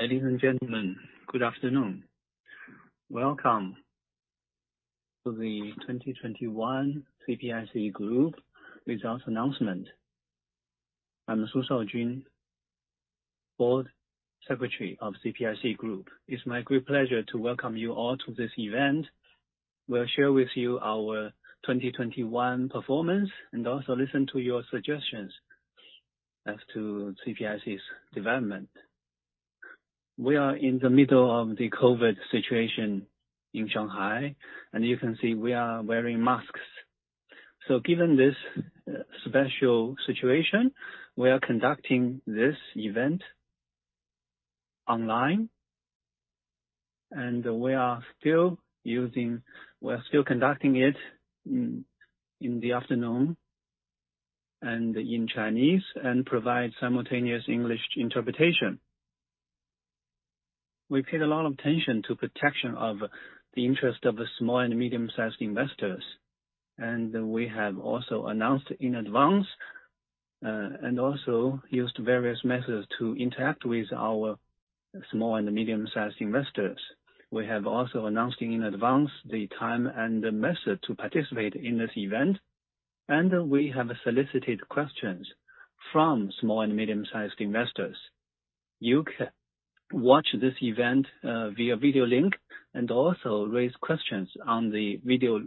Ladies and gentlemen, good afternoon. Welcome to the 2021 CPIC Group results announcement. I'm Su Shaojun, Board Secretary of CPIC Group. It's my great pleasure to welcome you all to this event. We'll share with you our 2021 performance, and also listen to your suggestions as to CPIC's development. We are in the middle of the COVID situation in Shanghai, and you can see we are wearing masks. Given this special situation, we are conducting this event online, and we are still conducting it in the afternoon and in Chinese, and provide simultaneous English interpretation. We paid a lot of attention to protection of the interest of the small and medium-sized investors. We have also announced in advance, and also used various methods to interact with our small and medium-sized investors. We have also announced in advance the time and the method to participate in this event, and we have solicited questions from small and medium-sized investors. You can watch this event via video link and also raise questions on the video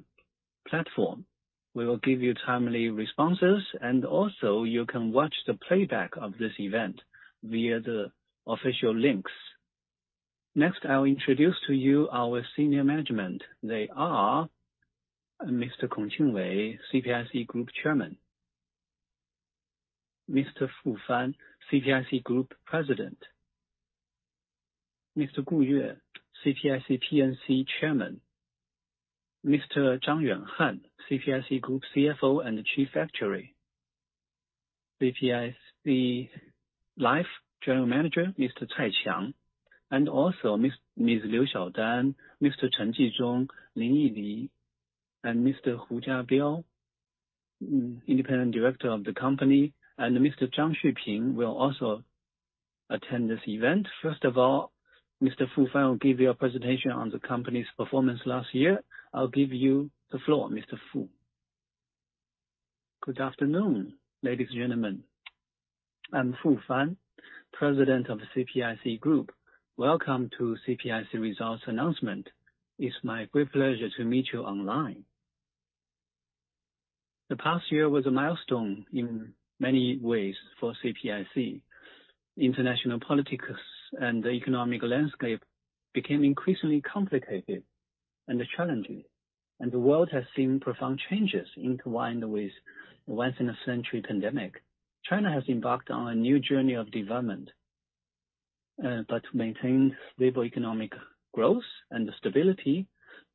platform. We will give you timely responses, and also you can watch the playback of this event via the official links. Next, I'll introduce to you our senior management. They are Mr. Kong Qingwei, CPIC Group Chairman. Mr. Fu Fan, CPIC Group President. Mr. Gu Yue, CPIC P&C Chairman. Mr. Zhang Yuanhan, CPIC Group CFO and Chief Actuary. CPIC Life General Manager, Mr. Cai Qiang. Ms. Liu Xiaodan, Mr. Chen Jizhong, Lin Yili, and Mr. Hu Jiabiao, Independent Directors of the company. Mr. Jiang Xuping will also attend this event. First of all, Mr. Fu Fan will give you a presentation on the company's performance last year. I'll give you the floor, Mr. Fu. Good afternoon, ladies and gentlemen. I'm Fu Fan, President of CPIC Group. Welcome to CPIC Results Announcement. It's my great pleasure to meet you online. The past year was a milestone in many ways for CPIC. International politics and the economic landscape became increasingly complicated and challenging, and the world has seen profound changes intertwined with once-in-a-century pandemic. China has embarked on a new journey of development, but maintained stable economic growth and stability,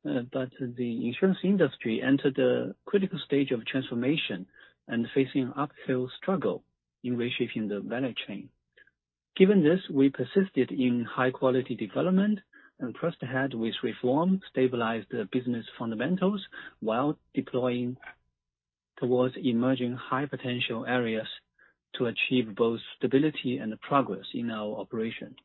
but the insurance industry entered the critical stage of transformation and facing uphill struggle in reshaping the value chain. Given this, we persisted in high-quality development and pressed ahead with reform, stabilized the business fundamentals, while deploying towards emerging high-potential areas to achieve both stability and progress in our operation.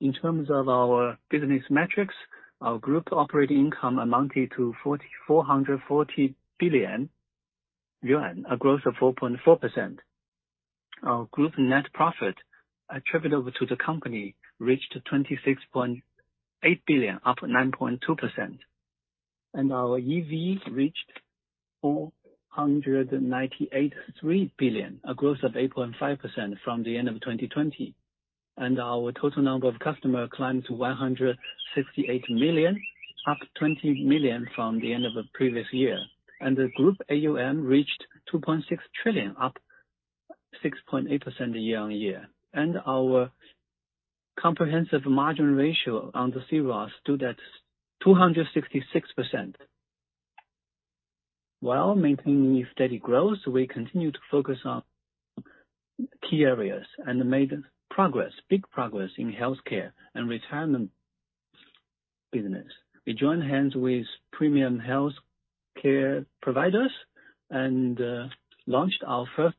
In terms of our business metrics, our group operating income amounted to 444 billion yuan, a growth of 4.4%. Our group net profit attributed to the company reached 26.8 billion, up 9.2%. Our EV reached 498.3 billion, a growth of 8.5% from the end of 2020. Our total number of customers climbed to 168 million, up 20 million from the end of the previous year. The group AUM reached 2.6 trillion, up 6.8% year-on-year. Our comprehensive margin ratio on the C-ROSS stood at 266%. While maintaining steady growth, we continued to focus on key areas and made progress, big progress in healthcare and retirement business. We joined hands with premium healthcare providers and launched our first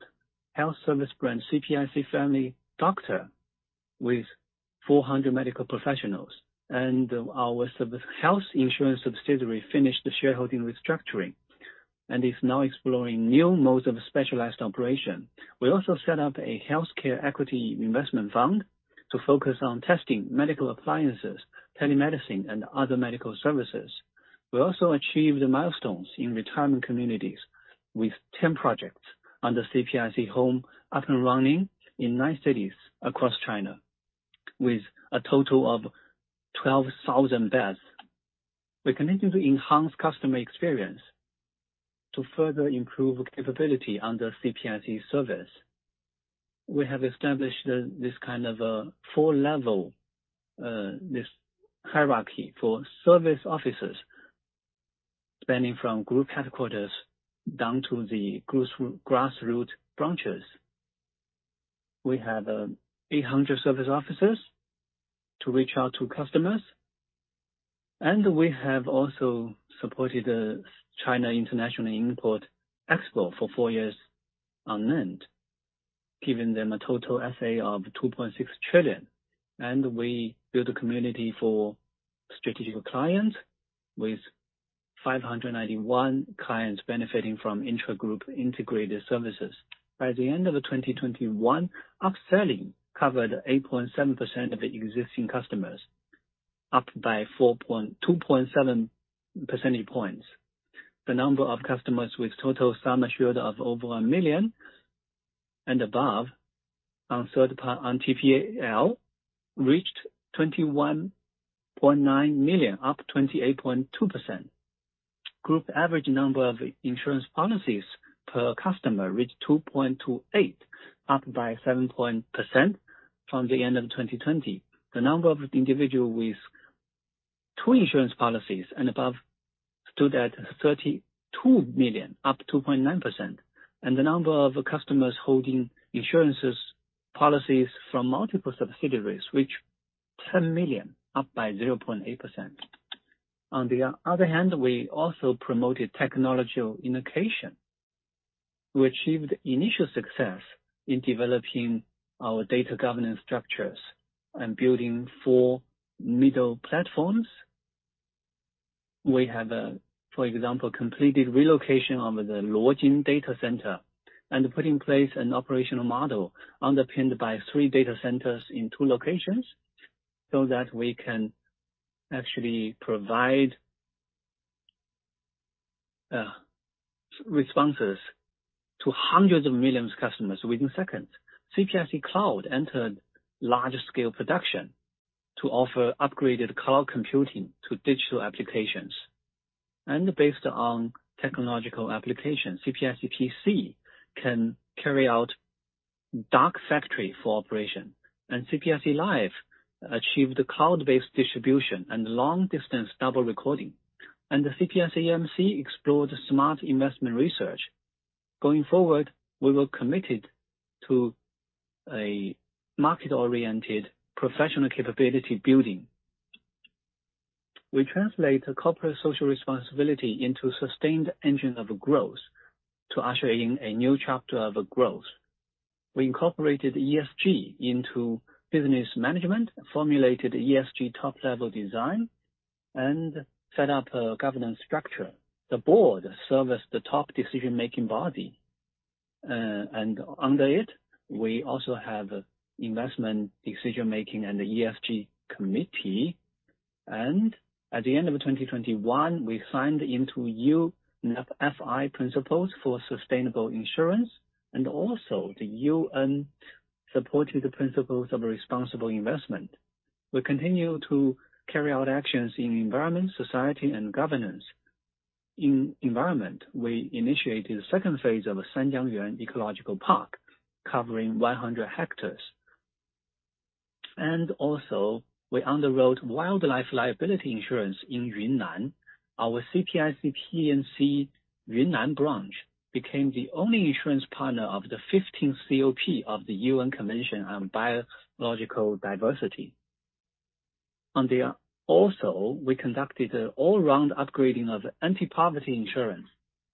health service brand, CPIC Family Doctor, with 400 medical professionals. Our health insurance subsidiary finished the shareholding restructuring and is now exploring new modes of specialized operation. We also set up a healthcare equity investment fund to focus on testing medical appliances, telemedicine, and other medical services. We also achieved milestones in retirement communities with 10 projects under CPIC Home up and running in nine cities across China, with a total of 12,000 beds. We continue to enhance customer experience to further improve capability under CPIC Service. We have established this kind of four-level hierarchy for service officers spanning from group headquarters down to the grassroots branches. We have 800 service officers to reach out to customers. We have also supported China International Import Expo for four years on end, giving them a total S.A. of 2.6 trillion. We built a community for strategic clients with 591 clients benefiting from intra-group integrated services. By the end of 2021, upselling covered 8.7% of the existing customers, up by 2.7 percentage points. The number of customers with total sum assured of over 1 million and above on TPAC reached 21.9 million, up 28.2%. Group average number of insurance policies per customer reached 2.28, up by 7% from the end of 2020. The number of individuals with two insurance policies and above stood at 32 million, up 2.9%. The number of customers holding insurance policies from multiple subsidiaries, which 10 million up by 0.8%. On the other hand, we also promoted technology innovation. We achieved initial success in developing our data governance structures and building 4 middle platforms. We have, for example, completed relocation of the Luojing data center and put in place an operational model underpinned by 3 data centers in 2 locations, so that we can actually provide responses to hundreds of millions of customers within seconds. CPIC Cloud entered large-scale production to offer upgraded cloud computing to digital applications. Based on technological applications, CPIC P&C can carry out dark factory for operation, and CPIC Live achieved cloud-based distribution and long-distance double recording. The CPIC AMC explored smart investment research. Going forward, we will be committed to a market-oriented professional capability building. We translate corporate social responsibility into sustained engine of growth to usher in a new chapter of growth. We incorporated ESG into business management, formulated ESG top-level design, and set up a governance structure. The board serves the top decision-making body. Under it, we also have investment decision-making and the ESG committee. At the end of 2021, we signed into UNEP FI Principles for Sustainable Insurance, and also the UN-supported Principles for Responsible Investment. We continue to carry out actions in environment, society, and governance. In environment, we initiated the second phase of Sanjiangyuan Ecological Park, covering 100 hectares. We also underwrote wildlife liability insurance in Yunnan. Our CPIC P&C Yunnan branch became the only insurance partner of the fifteenth COP of the UN Convention on Biological Diversity. On the... Also we conducted an all-round upgrading of anti-poverty insurance,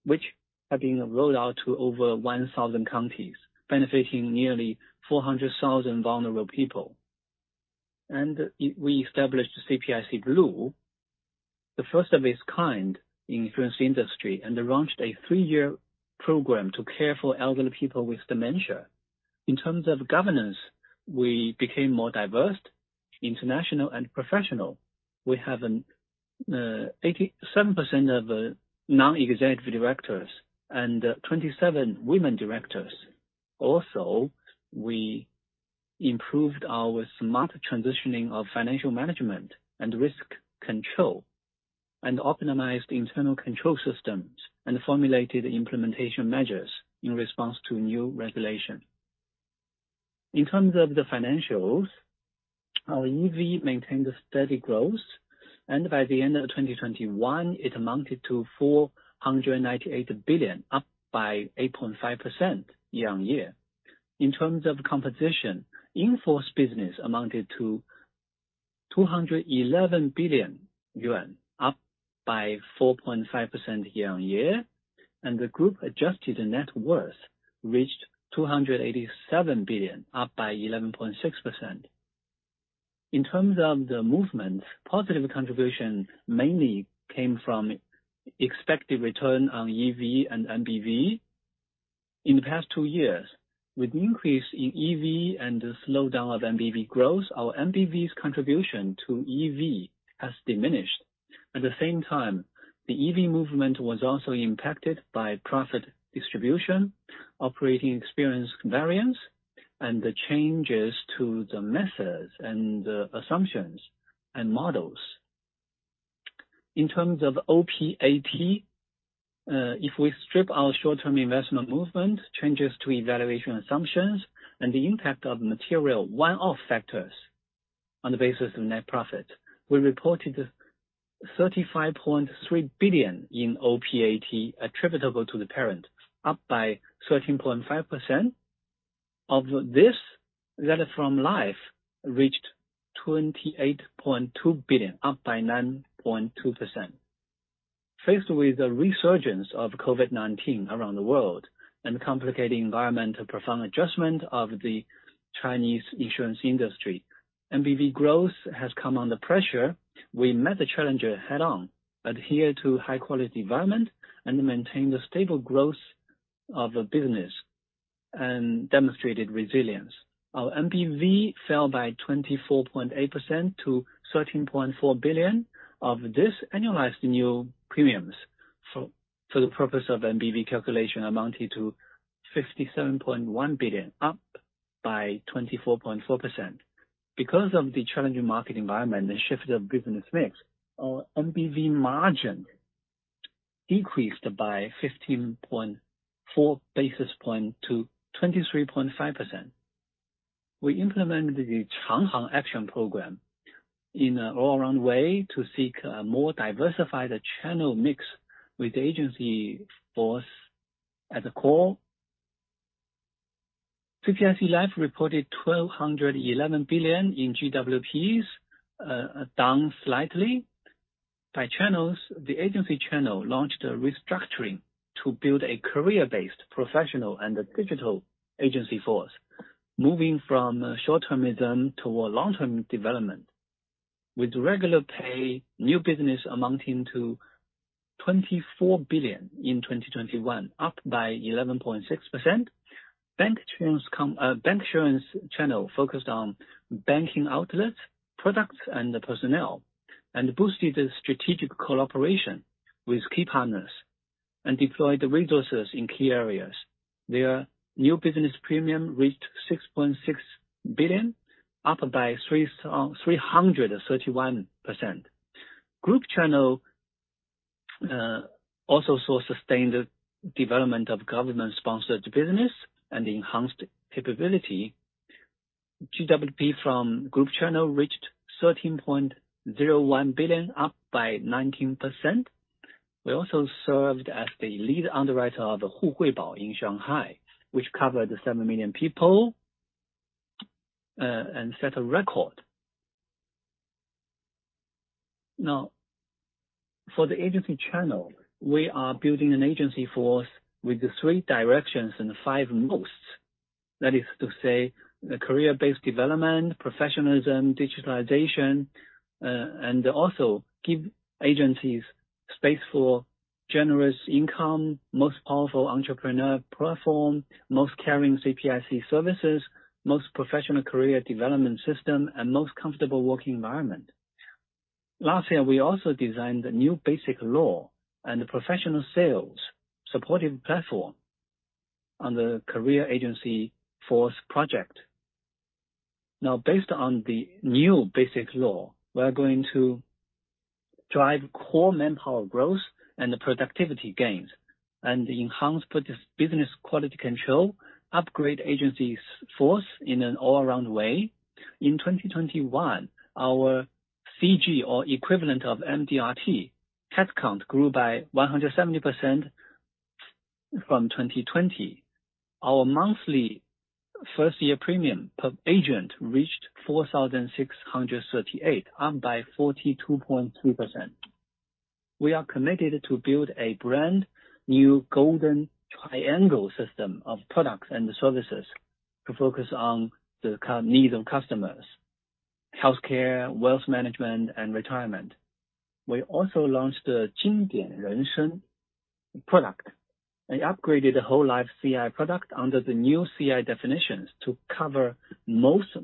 which have been rolled out to over 1,000 counties, benefiting nearly 400,000 vulnerable people. We established CPIC Blue, the first of its kind in insurance industry, and launched a 3-year program to care for elderly people with dementia. In terms of governance, we became more diverse, international, and professional. We have an 87% of non-executive directors and 27 women directors. We improved our smart transitioning of financial management and risk control, and optimized internal control systems, and formulated implementation measures in response to new regulation. In terms of the financials, our EV maintained a steady growth, and by the end of 2021, it amounted to 498 billion, up by 8.5% year on year. In terms of composition, in-force business amounted to 211 billion yuan, up by 4.5% year-on-year, and the group-adjusted net worth reached 287 billion, up by 11.6%. In terms of the movement, positive contribution mainly came from expected return on EV and MBV. In the past two years, with increase in EV and the slowdown of MBV growth, our MBV's contribution to EV has diminished. At the same time, the EV movement was also impacted by profit distribution, operating experience variance, and the changes to the methods and assumptions and models. In terms of OPAT, if we strip our short-term investment movement, changes to evaluation assumptions, and the impact of material one-off factors on the basis of net profit. We reported 35.3 billion in OPAT attributable to the parent, up by 13.5%. Of this, that from Life reached 28.2 billion, up by 9.2%. Faced with the resurgence of COVID-19 around the world and a complicated environment, a profound adjustment of the Chinese insurance industry, MBV growth has come under pressure. We met the challenge head on, adhere to high quality environment, and maintain the stable growth of the business and demonstrated resilience. Our MBV fell by 24.8% to 13.4 billion. Of this, annualized new premiums for the purpose of MBV calculation amounted to 57.1 billion, up by 24.4%. Because of the challenging market environment and shift of business mix, our MBV margin decreased by 15.4 basis points to 23.5%. We implemented the Changhang Action Program in an all-around way to seek a more diversified channel mix with agency force at the core. CPIC Life reported 1,211 billion in GWP, down slightly. By channels, the agency channel launched a restructuring to build a career-based professional and a digital agency force, moving from short-termism toward long-term development. With regular pay, new business amounting to 24 billion in 2021, up by 11.6%. Bank insurance channel focused on banking outlets, products and the personnel, and boosted the strategic cooperation with key partners and deployed the resources in key areas. Their new business premium reached 6.6 billion, up by 331%. Group channel also saw sustained development of government-sponsored business and enhanced capability. GWP from group channel reached 13.01 billion, up by 19%. We also served as the lead underwriter of Hu Hui Bao in Shanghai, which covered 7 million people, and set a record. Now, for the agency channel, we are building an agency force with the 3 directions and 5 mosts. That is to say, a career-based development, professionalism, digitalization, and also give agencies space for generous income, most powerful entrepreneur platform, most caring CPIC services, most professional career development system, and most comfortable working environment. Last year, we also designed the new basic law and professional sales supportive platform on the career agency force project. Now, based on the new basic law, we are going to drive core manpower growth and productivity gains, and enhance business quality control, upgrade agency force in an all-around way. In 2021, our CG or equivalent of MDRT head count grew by 170% from 2020. Our monthly first year premium per agent reached 4,638, up by 42.3%. We are committed to build a brand new golden triangle system of products and services to focus on the needs of customers, healthcare, wealth management, and retirement. We also launched a Jingdian Rensheng product and upgraded the whole life CI product under the new CI definitions to cover most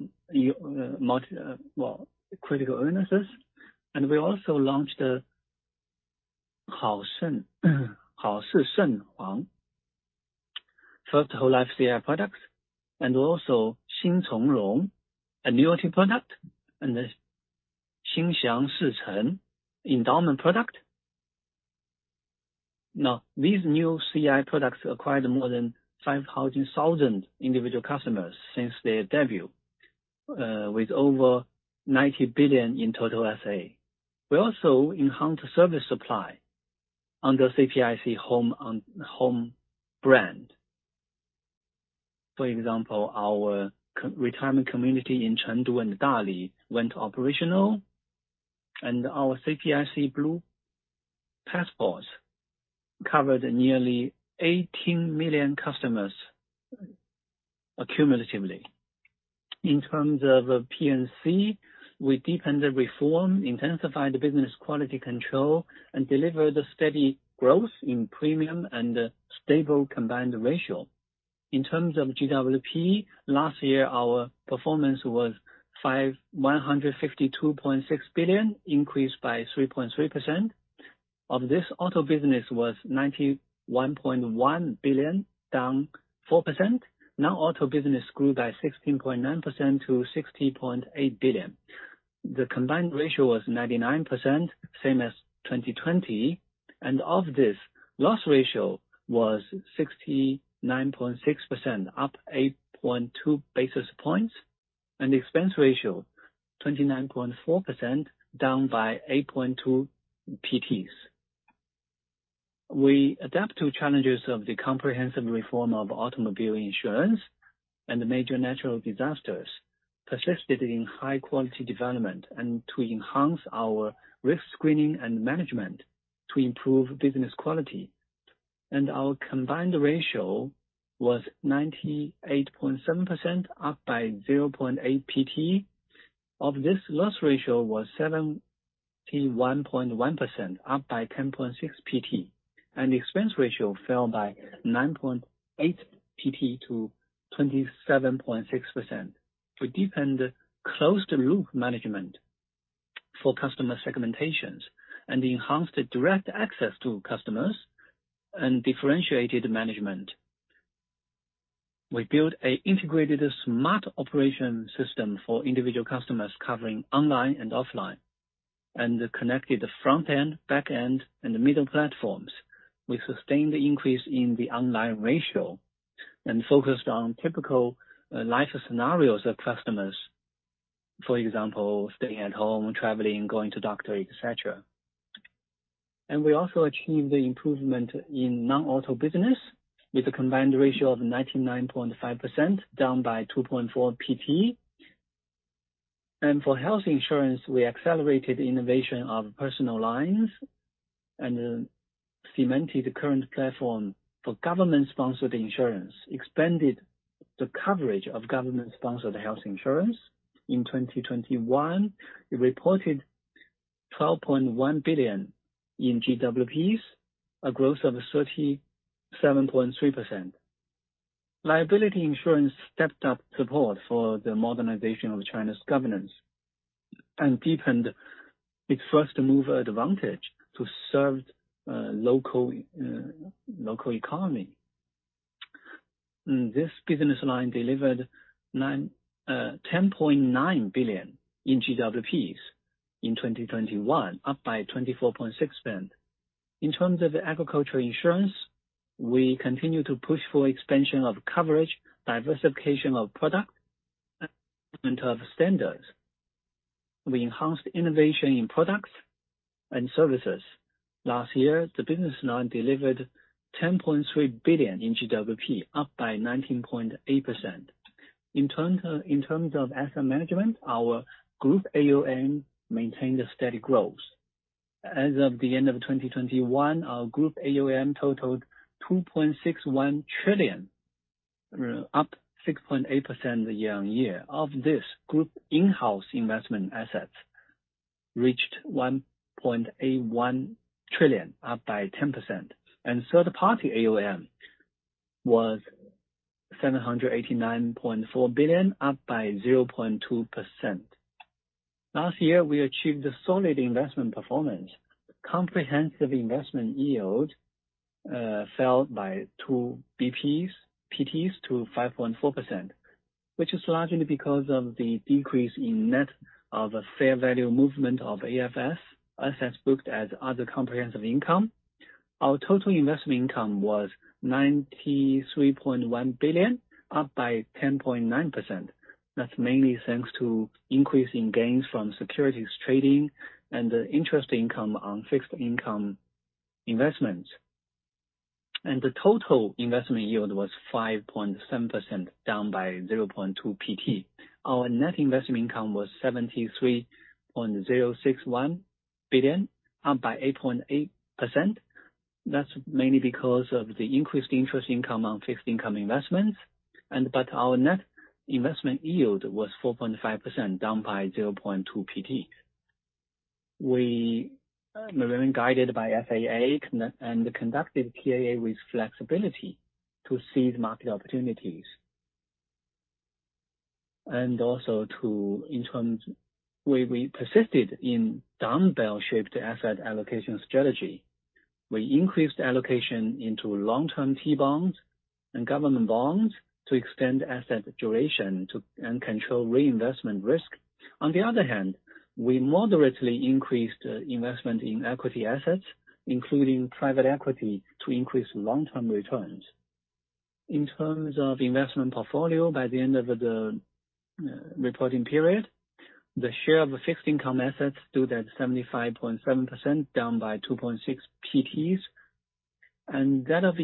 critical illnesses. We also launched the Haoshenshuang first whole life CI product, and also Xingchenglong annuity product, and the Xingxiangshicheng endowment product. Now, these new CI products acquired more than 500,000 individual customers since their debut, with over 90 billion in total SA. We also enhanced service supply under CPIC Home, our Home brand. For example, our community retirement community in Chengdu and Dali went operational, and our CPIC Blue Passport covered nearly 18 million customers accumulatively. In terms of P&C, we deepened the reform, intensified the business quality control, and delivered a steady growth in premium and a stable combined ratio. In terms of GWP, last year our performance was 152.6 billion, increased by 3.3%. Of this, auto business was 91.1 billion, down 4%. Non-auto business grew by 16.9% to 60.8 billion. The combined ratio was 99%, same as 2020. Of this, loss ratio was 69.6%, up 8.2 basis points, and expense ratio 29.4%, down by 8.2 percentage points. We adapt to challenges of the comprehensive reform of automobile insurance and the major natural disasters, we persisted in high-quality development and to enhance our risk screening and management to improve business quality. Our combined ratio was 98.7%, up by 0.8 PT. Of this, loss ratio was 71.1%, up by 10.6 PT, and expense ratio fell by 9.8 PT to 27.6%. We deepened closed-loop management for customer segmentations and enhanced direct access to customers and differentiated management. We built an integrated smart operation system for individual customers covering online and offline, and connected the front end, back end, and the middle platforms with sustained increase in the online ratio, and focused on typical life scenarios of customers. For example, staying at home, traveling, going to doctor, et cetera. We also achieved the improvement in Non-auto business with a combined ratio of 99.5%, down by 2.4 percentage points. For health insurance, we accelerated innovation of personal lines and cemented the current platform for government-sponsored insurance, expanded the coverage of government-sponsored health insurance. In 2021, we reported 12.1 billion in GWPs, a growth of 37.3%. Liability insurance stepped up support for the modernization of China's governance and deepened its first mover advantage to serve local economy. This business line delivered 10.9 billion in GWPs in 2021, up by 24.6%. In terms of agricultural insurance, we continue to push for expansion of coverage, diversification of product, and of standards. We enhanced innovation in products and services. Last year, the business line delivered 10.3 billion in GWP, up 19.8%. In terms of asset management, our Group AUM maintained a steady growth. As of the end of 2021, our Group AUM totaled 2.61 trillion, up 6.8% year-over-year. Of this, group in-house investment assets reached 1.81 trillion, up 10%, and third-party AUM was CNY 789.4 billion, up 0.2%. Last year, we achieved a solid investment performance. Comprehensive investment yield fell by 2 ppts to 5.4%, which is largely because of the decrease in net of fair value movement of AFS assets booked as other comprehensive income. Our total investment income was 93.1 billion, up 10.9%. That's mainly thanks to increase in gains from securities trading and the interest income on fixed income investments. The total investment yield was 5.7%, down by 0.2 PT. Our net investment income was 73.061 billion, up by 8.8%. That's mainly because of the increased interest income on fixed income investments. Our net investment yield was 4.5%, down by 0.2 PT. We remain guided by SAA and conducted TAA with flexibility to seize market opportunities. We persisted in dumbbell-shaped asset allocation strategy. We increased allocation into long-term T-bonds and government bonds to extend asset duration and control reinvestment risk. On the other hand, we moderately increased investment in equity assets, including private equity, to increase long-term returns. In terms of investment portfolio, by the end of the reporting period, the share of fixed income assets stood at 75.7%, down by 2.6 percentage points, and that of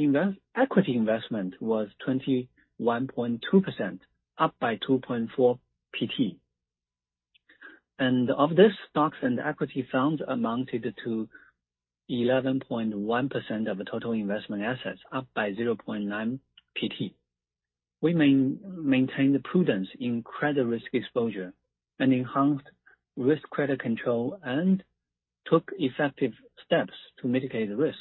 equity investment was 21.2%, up by 2.4 percentage points. Of this, stocks and equity funds amounted to 11.1% of total investment assets, up by 0.9 percentage point. We maintain the prudence in credit risk exposure and enhanced credit risk control and took effective steps to mitigate risk.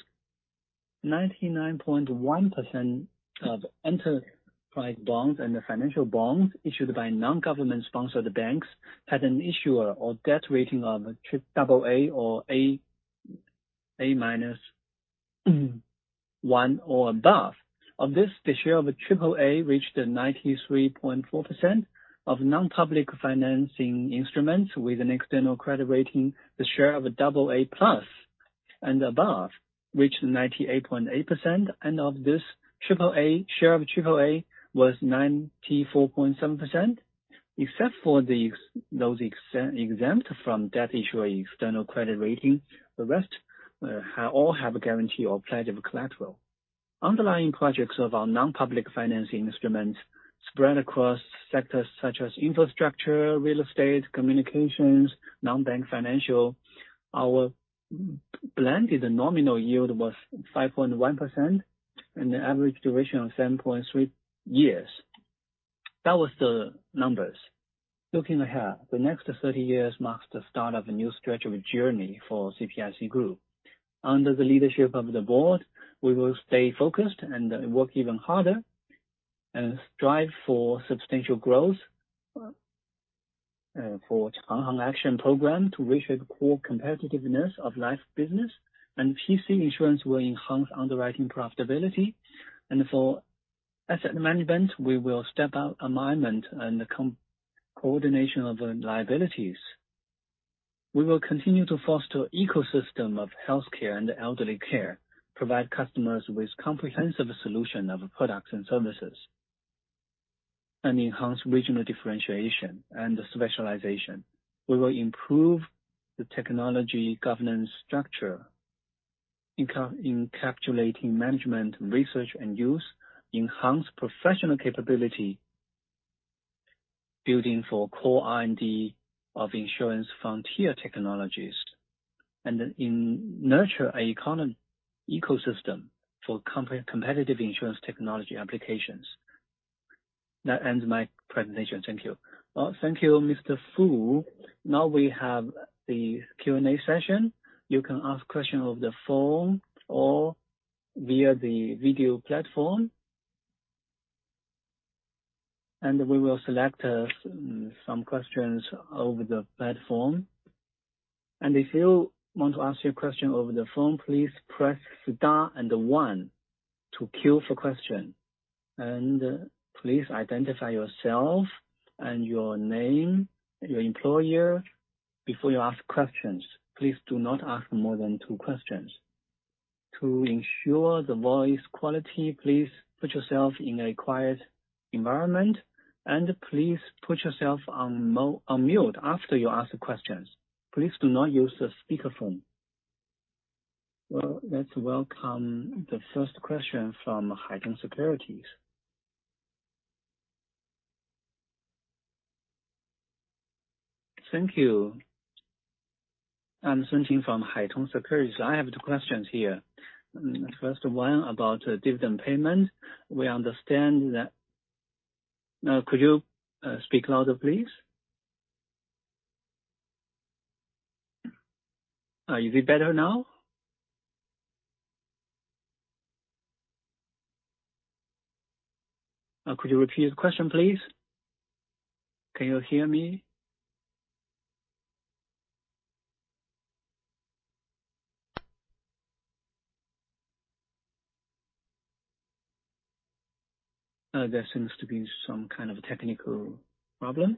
99.1% of enterprise bonds and the financial bonds issued by non-government-sponsored banks had an issuer or debt rating of AA or A/A- or above. Of this, the share of AAA reached 93.4% of non-public financing instruments with an external credit rating. The share of AA+ and above reached 98.8%. Of this triple A, share of triple A was 94.7%. Except for these, those exempt from debt issuer external credit rating, the rest have a guarantee or pledge of collateral. Underlying projects of our non-public financing instruments spread across sectors such as infrastructure, real estate, communications, non-bank financial. Our blended nominal yield was 5.1% and an average duration of 7.3 years. That was the numbers. Looking ahead, the next 30 years marks the start of a new stretch of journey for CPIC Group. Under the leadership of the board, we will stay focused and work even harder and strive for substantial growth for Changhang Action Program to reach a core competitiveness of life business. P&C Insurance will enhance underwriting profitability. For asset management, we will step up alignment and coordination of the liabilities. We will continue to foster ecosystem of healthcare and elderly care, provide customers with comprehensive solution of products and services, and enhance regional differentiation and specialization. We will improve the technology governance structure, encapsulating management, research, and use, enhance professional capability, building for core R&D of insurance frontier technologies. We will nurture a common ecosystem for competitive insurance technology applications. That ends my presentation. Thank you. Well, thank you, Mr. Fu. Now we have the Q&A session. You can ask question over the phone or via the video platform. We will select some questions over the platform. If you want to ask your question over the phone, please press star and one to queue for question. Please identify yourself and your name, your employer, before you ask questions. Well, let's welcome the first question from Haitong Securities. Thank you. I'm Sun Tong from Haitong Securities. I have two questions here. First one about dividend payment. We understand that... Could you speak louder, please? Is it better now? Could you repeat the question, please? Can you hear me? There seems to be some kind of technical problem.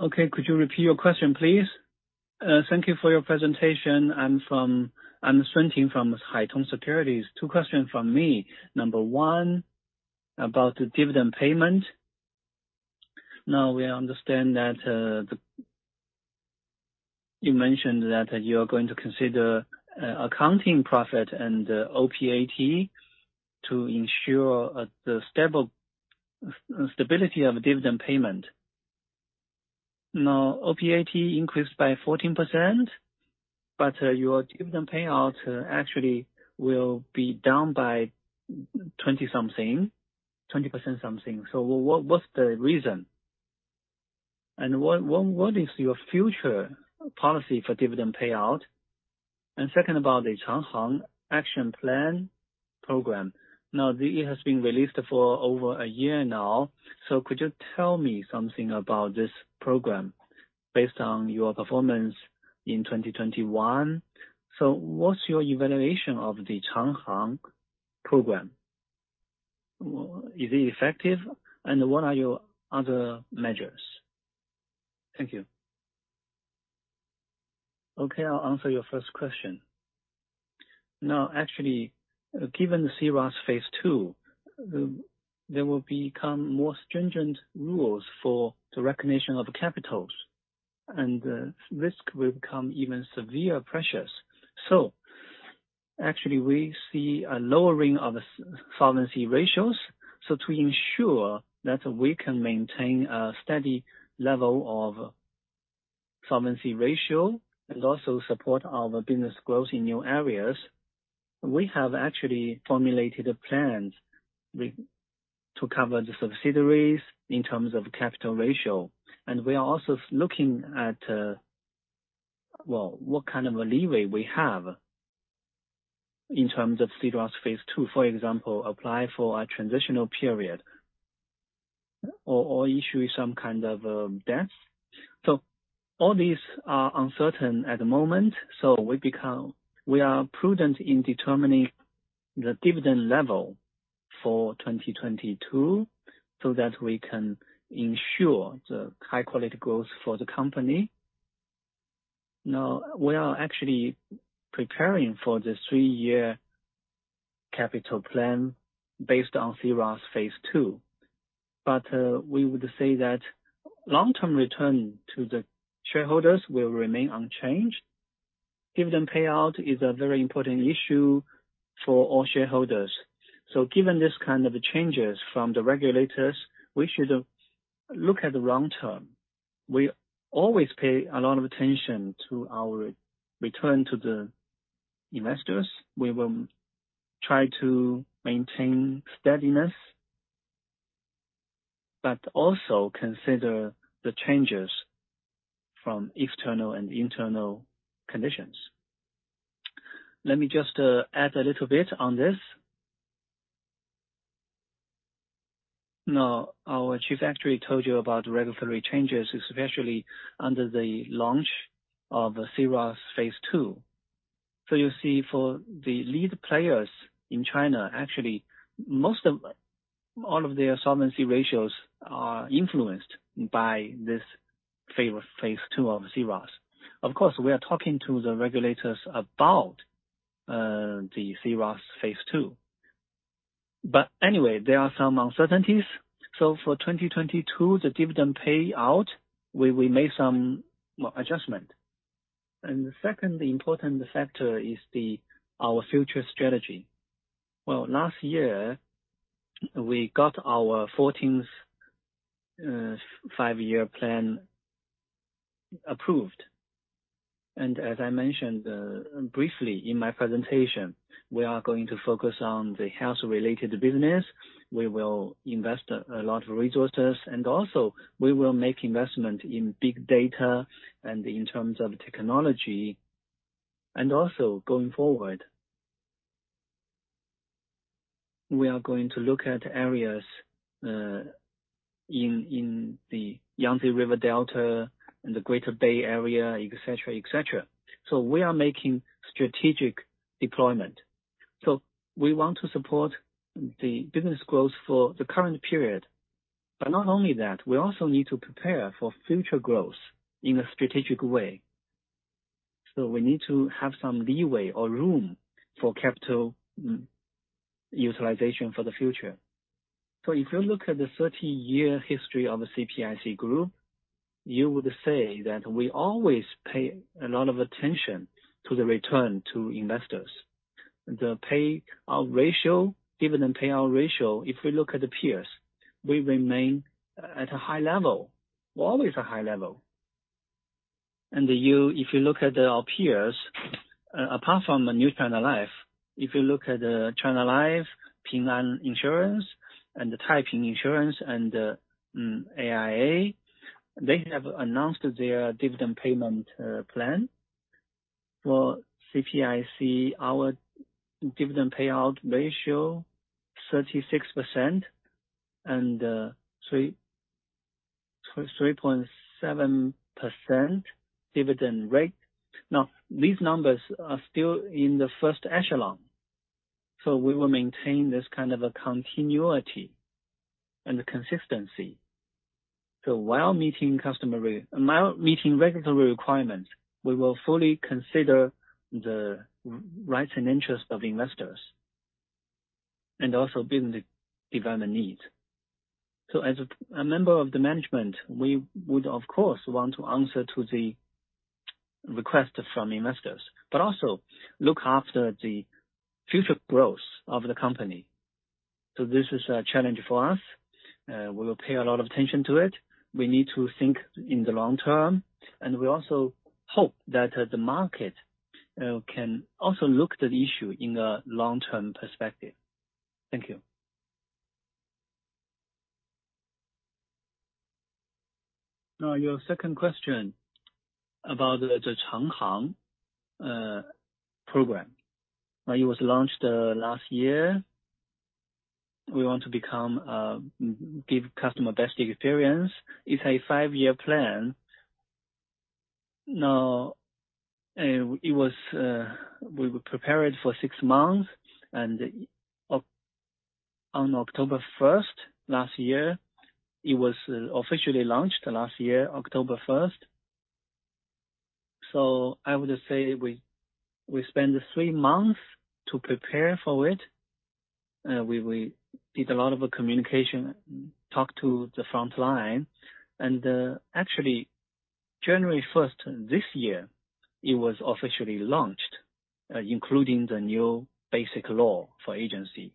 Okay, could you repeat your question, please? Thank you for your presentation. I'm Sun Tong from Haitong Securities. Two questions from me. Number one, about the dividend payment. Now, we understand that, the. You mentioned that you are going to consider accounting profit and OPAT to ensure the stability of dividend payment. Now, OPAT increased by 14%, but your dividend payout actually will be down by 20%-something. What's the reason? And what is your future policy for dividend payout? And second, about the Changhang Action Program. Now, it has been released for over a year now. So could you tell me something about this program based on your performance in 2021? So what's your evaluation of the Changhang program? Is it effective? And what are your other measures? Thank you. Okay, I'll answer your first question. Now, actually, given the C-ROSS Phase Two, there will become more stringent rules for the recognition of capitals, and risk will become even severe pressures. Actually, we see a lowering of solvency ratios. To ensure that we can maintain a steady level of solvency ratio and also support our business growth in new areas, we have actually formulated plans to cover the subsidiaries in terms of capital ratio. We are also looking at what kind of a leeway we have in terms of C-ROSS Phase Two, for example, to apply for a transitional period or to issue some kind of debts. All these are uncertain at the moment. We are prudent in determining the dividend level for 2022 so that we can ensure the high-quality growth for the company. We are actually preparing for the three-year capital plan based on C-ROSS Phase Two. We would say that long-term return to the shareholders will remain unchanged. Dividend payout is a very important issue for all shareholders. Given this kind of changes from the regulators, we should look at the long term. We always pay a lot of attention to our return to the investors. We will try to maintain steadiness, but also consider the changes from external and internal conditions. Let me just add a little bit on this. Now, our chief actually told you about regulatory changes, especially under the launch of C-ROSS Phase Two. You see for the lead players in China, actually all of their solvency ratios are influenced by this phase two of C-ROSS. Of course, we are talking to the regulators about the C-ROSS Phase Two. Anyway, there are some uncertainties. For 2022, the dividend payout, we made some more adjustment. The second important factor is the, our future strategy. Well, last year, we got our fourteenth five-year plan approved. As I mentioned briefly in my presentation, we are going to focus on the health-related business. We will invest a lot of resources, and also we will make investment in big data and in terms of technology. Also going forward, we are going to look at areas in the Yangtze River Delta and the Greater Bay Area, et cetera. We are making strategic deployment. We want to support the business growth for the current period. Not only that, we also need to prepare for future growth in a strategic way. We need to have some leeway or room for capital utilization for the future. If you look at the 30-year history of the CPIC Group, you would say that we always pay a lot of attention to the return to investors. The payout ratio, dividend payout ratio, if we look at the peers, we remain at a high level, always a high level. If you look at our peers, apart from the New China Life, if you look at China Life, Ping An Insurance and Taiping Insurance and AIA, they have announced their dividend payment plan. For CPIC, our dividend payout ratio 36% and 3.7% dividend rate. Now, these numbers are still in the first echelon, so we will maintain this kind of a continuity and consistency. While meeting regulatory requirements, we will fully consider the rights and interest of investors, and also business development needs. As a member of the management, we would of course want to answer to the request from investors, but also look after the future growth of the company. This is a challenge for us. We will pay a lot of attention to it. We need to think in the long term. We also hope that the market can also look at the issue in a long-term perspective. Thank you. Now, your second question about the Changhang program. When it was launched last year, we want to become give customer best experience. It's a five-year plan. Now, we would prepare it for six months and October first last year, it was officially launched last year, October first. I would say we spend three months to prepare for it. We did a lot of communication, talked to the front line. Actually, January first this year, it was officially launched, including the new basic law for agency.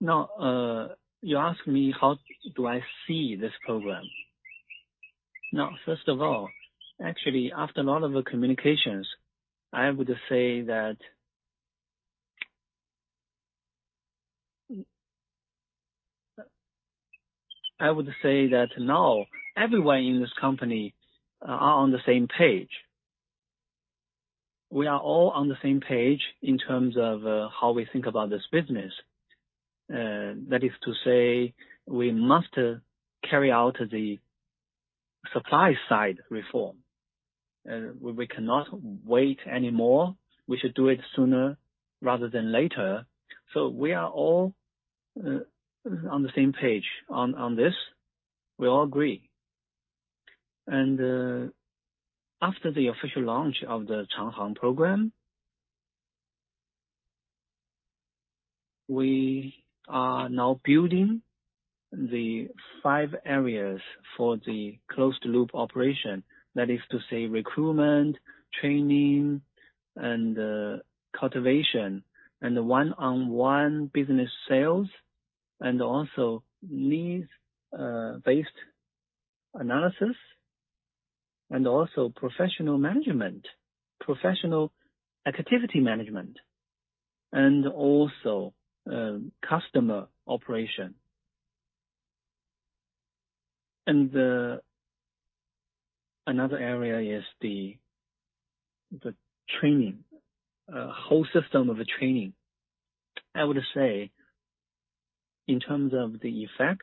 Now, you ask me how do I see this program? Now, first of all, actually, after a lot of communications, I would say that now everyone in this company are on the same page. We are all on the same page in terms of how we think about this business. That is to say we must carry out the supply side reform. We cannot wait anymore. We should do it sooner rather than later. We are all on the same page on this. We all agree. After the official launch of the Changhang program, we are now building the five areas for the closed loop operation. That is to say, recruitment, training, and cultivation, and one-on-one business sales, and also needs-based analysis, and also professional management, professional activity management, and also customer operation. Another area is the training. Whole system of training. I would say in terms of the effect,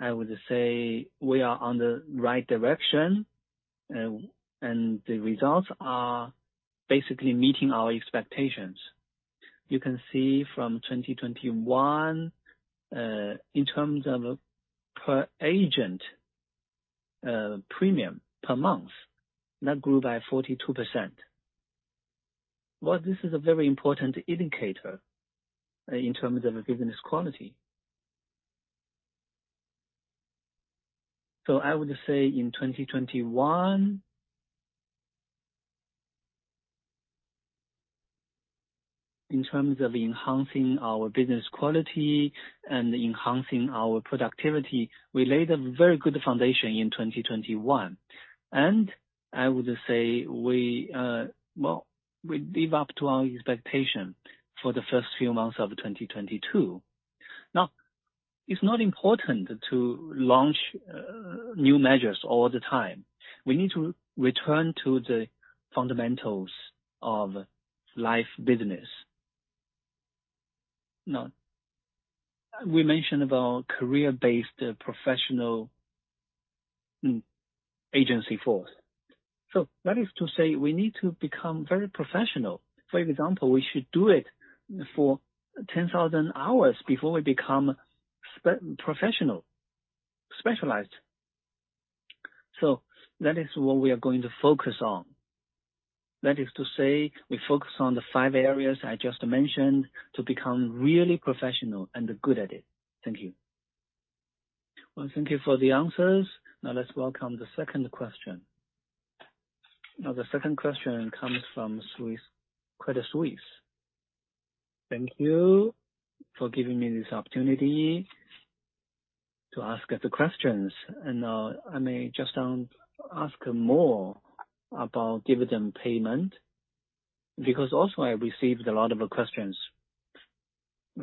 I would say we are on the right direction, and the results are basically meeting our expectations. You can see from 2021, in terms of per agent, premium per month, that grew by 42%. While this is a very important indicator in terms of business quality. I would say in 2021, in terms of enhancing our business quality and enhancing our productivity, we laid a very good foundation in 2021. I would say we... Well, we live up to our expectation for the first few months of 2022. Now, it's not important to launch new measures all the time. We need to return to the fundamentals of life business. Now, we mentioned about career-based professional agency force. So that is to say we need to become very professional. For example, we should do it for 10,000 hours before we become professional, specialized. So that is what we are going to focus on. That is to say we focus on the five areas I just mentioned to become really professional and good at it. Thank you. Well, thank you for the answers. Now let's welcome the second question. Now the second question comes from Credit Suisse. Thank you for giving me this opportunity to ask the questions, and I may just ask more about dividend payment, because also I received a lot of questions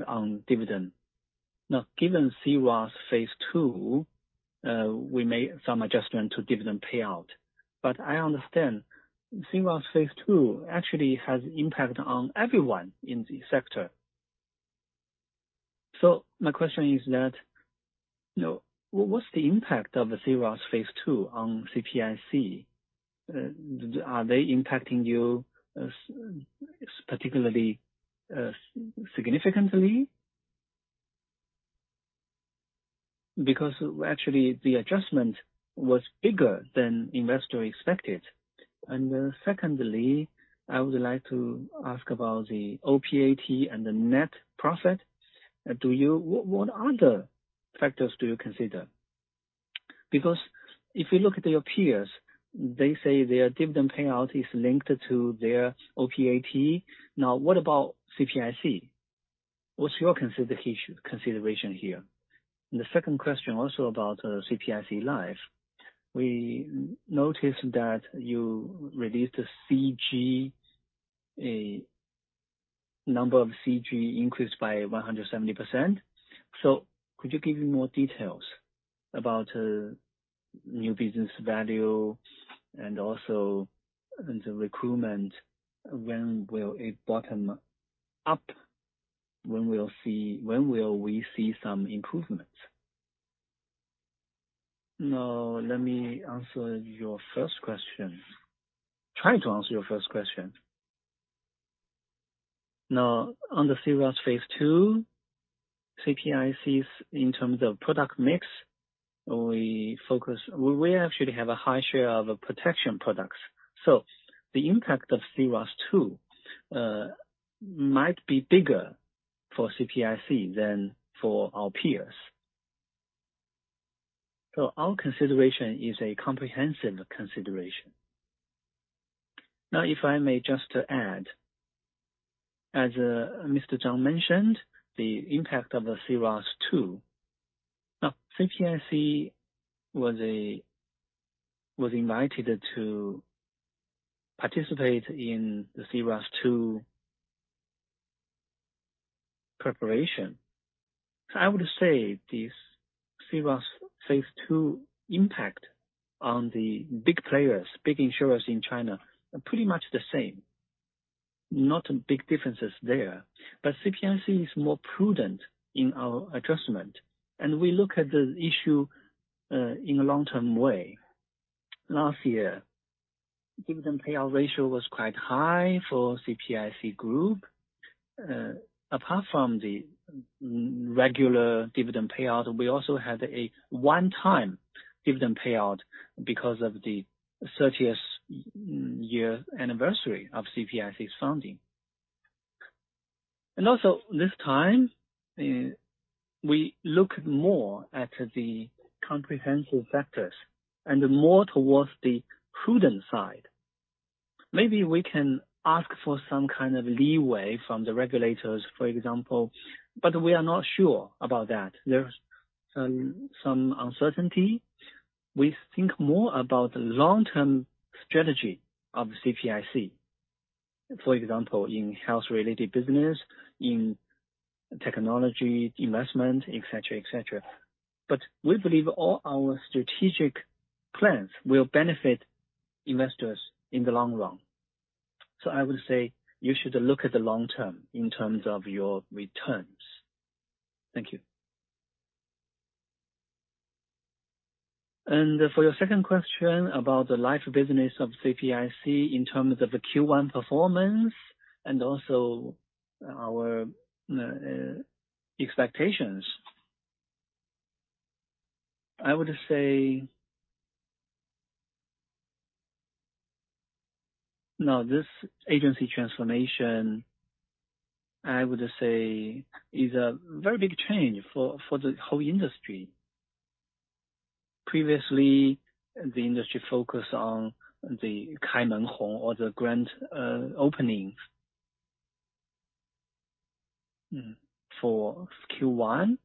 on dividend. Now, given C-ROSS Phase Two, we made some adjustment to dividend payout. I understand C-ROSS Phase Two actually has impact on everyone in this sector. So my question is that, now, what's the impact of the C-ROSS Phase Two on CPIC? Are they impacting you particularly significantly? Because actually the adjustment was bigger than investor expected. Secondly, I would like to ask about the OPAT and the net profit. What other factors do you consider? Because if you look at your peers, they say their dividend payout is linked to their OPAT. Now, what about CPIC? What's your consideration here? The second question also about CPIC Life. We noticed that you released a CG, a number of CG increased by 170%. Could you give me more details about new business value and also the recruitment? When will it bottom out? When will we see some improvements? Now, let me answer your first question. Now, on the C-ROSS II, CPIC's in terms of product mix, we actually have a high share of protection products. The impact of C-ROSS II might be bigger for CPIC than for our peers. Our consideration is a comprehensive consideration. Now if I may just add, Mr. Zhang mentioned, the impact of the C-ROSS II. CPIC was invited to participate in the C-ROSS II preparation. I would say this C-ROSS Phase Two impact on the big players, big insurers in China are pretty much the same, not big differences there. CPIC is more prudent in our adjustment, and we look at the issue in a long-term way. Last year, dividend payout ratio was quite high for CPIC Group. Apart from the regular dividend payout, we also had a one-time dividend payout because of the 30th year anniversary of CPIC's founding. Also this time, we look more at the comprehensive factors and more towards the prudent side. Maybe we can ask for some kind of leeway from the regulators, for example, but we are not sure about that. There's some uncertainty. We think more about the long-term strategy of CPIC. For example, in health-related business, in technology investment, et cetera. We believe all our strategic plans will benefit investors in the long run. I would say you should look at the long term in terms of your returns. Thank you. For your second question about the life business of CPIC in terms of the Q1 performance and also our expectations. I would say. Now, this agency transformation, I would say is a very big change for the whole industry. Previously, the industry focused on the grand openings for Q1.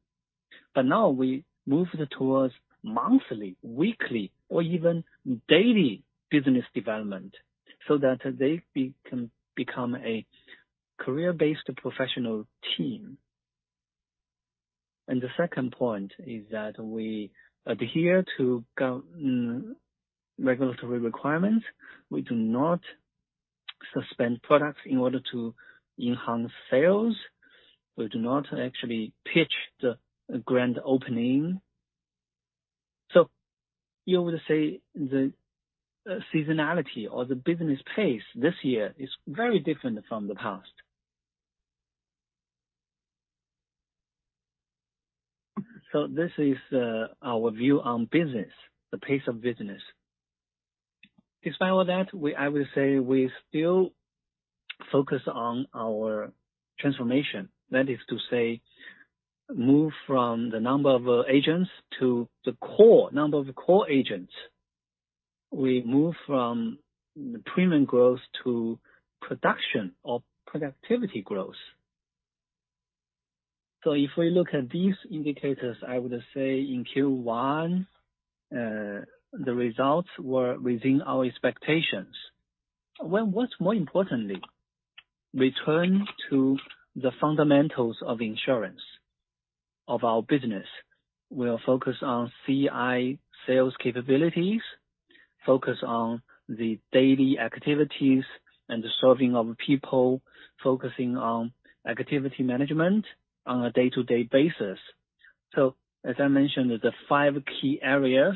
Now we move towards monthly, weekly, or even daily business development so that they can become a career-based professional team. The second point is that we adhere to regulatory requirements. We do not suspend products in order to enhance sales. We do not actually pitch the grand opening. You would say the seasonality or the business pace this year is very different from the past. This is our view on business, the pace of business. Despite all that, we, I would say we still focus on our transformation. That is to say, move from the number of agents to the core, number of core agents. We move from premium growth to production or productivity growth. If we look at these indicators, I would say in Q1 the results were within our expectations. Well, what's more importantly, return to the fundamentals of insurance of our business. We are focused on CI sales capabilities, focused on the daily activities and the serving of people, focusing on activity management on a day-to-day basis. As I mentioned, the five key areas.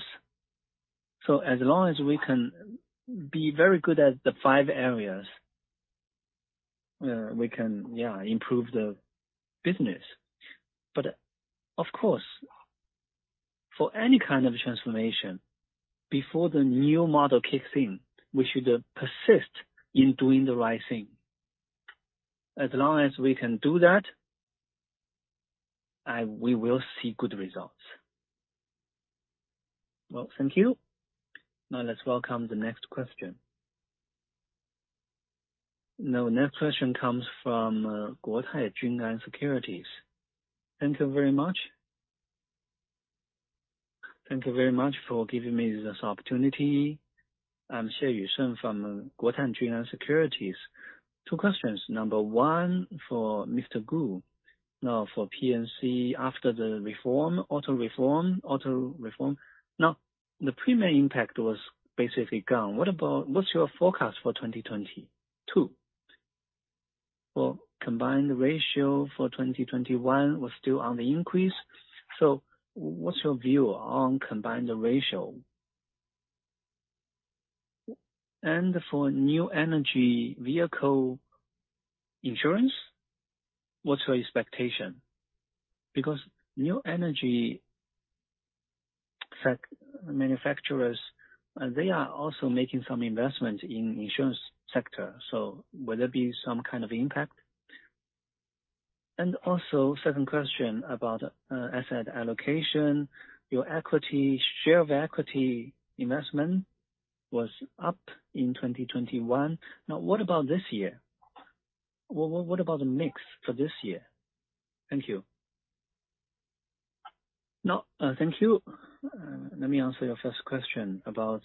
As long as we can be very good at the five areas, we can improve the business. But of course, for any kind of transformation, before the new model kicks in, we should persist in doing the right thing. As long as we can do that, we will see good results. Well, thank you. Now let's welcome the next question. Now, next question comes from Guotai Junan Securities. Thank you very much. Thank you very much for giving me this opportunity. I'm Xie Yushen from Guotai Junan Securities. Two questions. One for Mr. Gu. Now, for P&C after the reform, auto reform. Now, the premium impact was basically gone. What about? What's your forecast for 2022? Well, combined ratio for 2021 was still on the increase. So what's your view on combined ratio? And for new energy vehicle insurance, what's your expectation? Because new energy vehicle manufacturers, they are also making some investments in insurance sector. So will there be some kind of impact? Second question about asset allocation. Your equity share of equity investment was up in 2021. Now, what about this year? What about the mix for this year? Thank you. No, thank you. Let me answer your first question about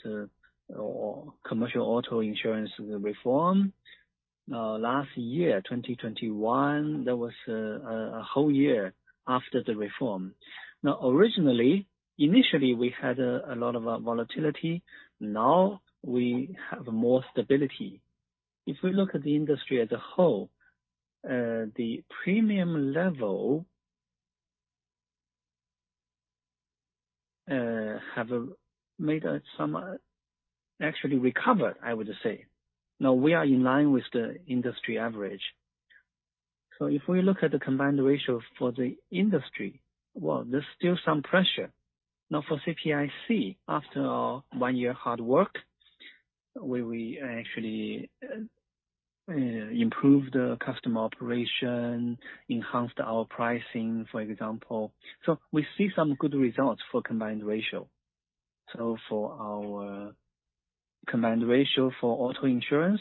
commercial auto insurance reform. Last year, 2021, there was a whole year after the reform. Now, originally, initially we had a lot of volatility. Now we have more stability. If we look at the industry as a whole, the premium level has actually recovered, I would say. Now we are in line with the industry average. If we look at the combined ratio for the industry, well, there's still some pressure. Now for CPIC, after one year hard work, we actually improved the customer operation, enhanced our pricing, for example. We see some good results for combined ratio. For our combined ratio for auto insurance,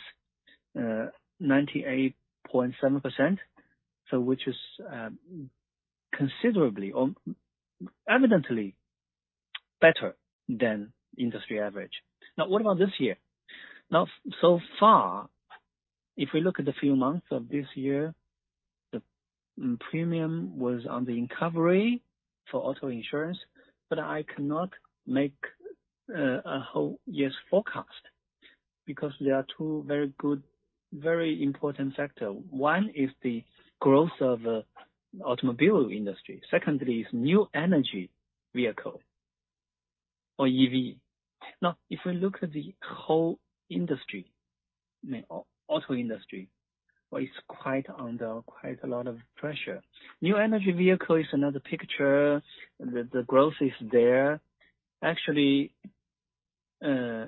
98.7%, which is considerably or evidently better than industry average. Now, what about this year? So far, if we look at the few months of this year, the premium was on the recovery for auto insurance, but I cannot make a whole year's forecast because there are two very good, very important factor. One is the growth of automobile industry. Secondly, is new energy vehicle or EV. If we look at the whole industry, auto industry is quite under a lot of pressure. New energy vehicle is another picture. The growth is there. Actually, the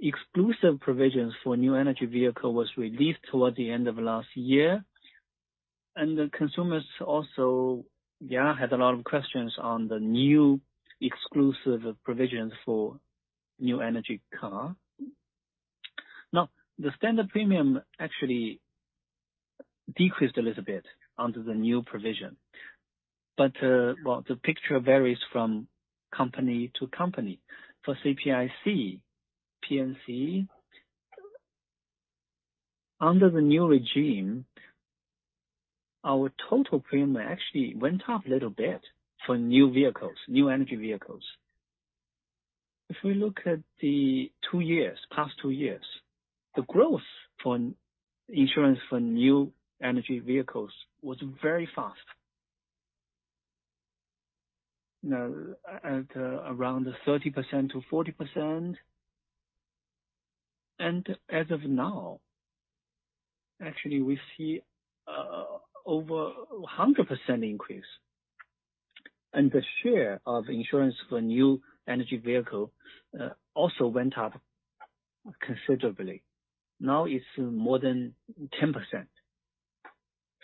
exclusive provisions for new energy vehicle was released toward the end of last year. The consumers also had a lot of questions on the new exclusive provisions for new energy car. Now, the standard premium actually decreased a little bit under the new provision. Well, the picture varies from company to company. For CPIC P&C, under the new regime, our total premium actually went up a little bit for new vehicles, new energy vehicles. If we look at the past 2 years, the growth for insurance for new energy vehicles was very fast. Now, at around 30%-40%. As of now, actually we see over 100% increase. The share of insurance for new energy vehicle also went up considerably. Now it's more than 10%.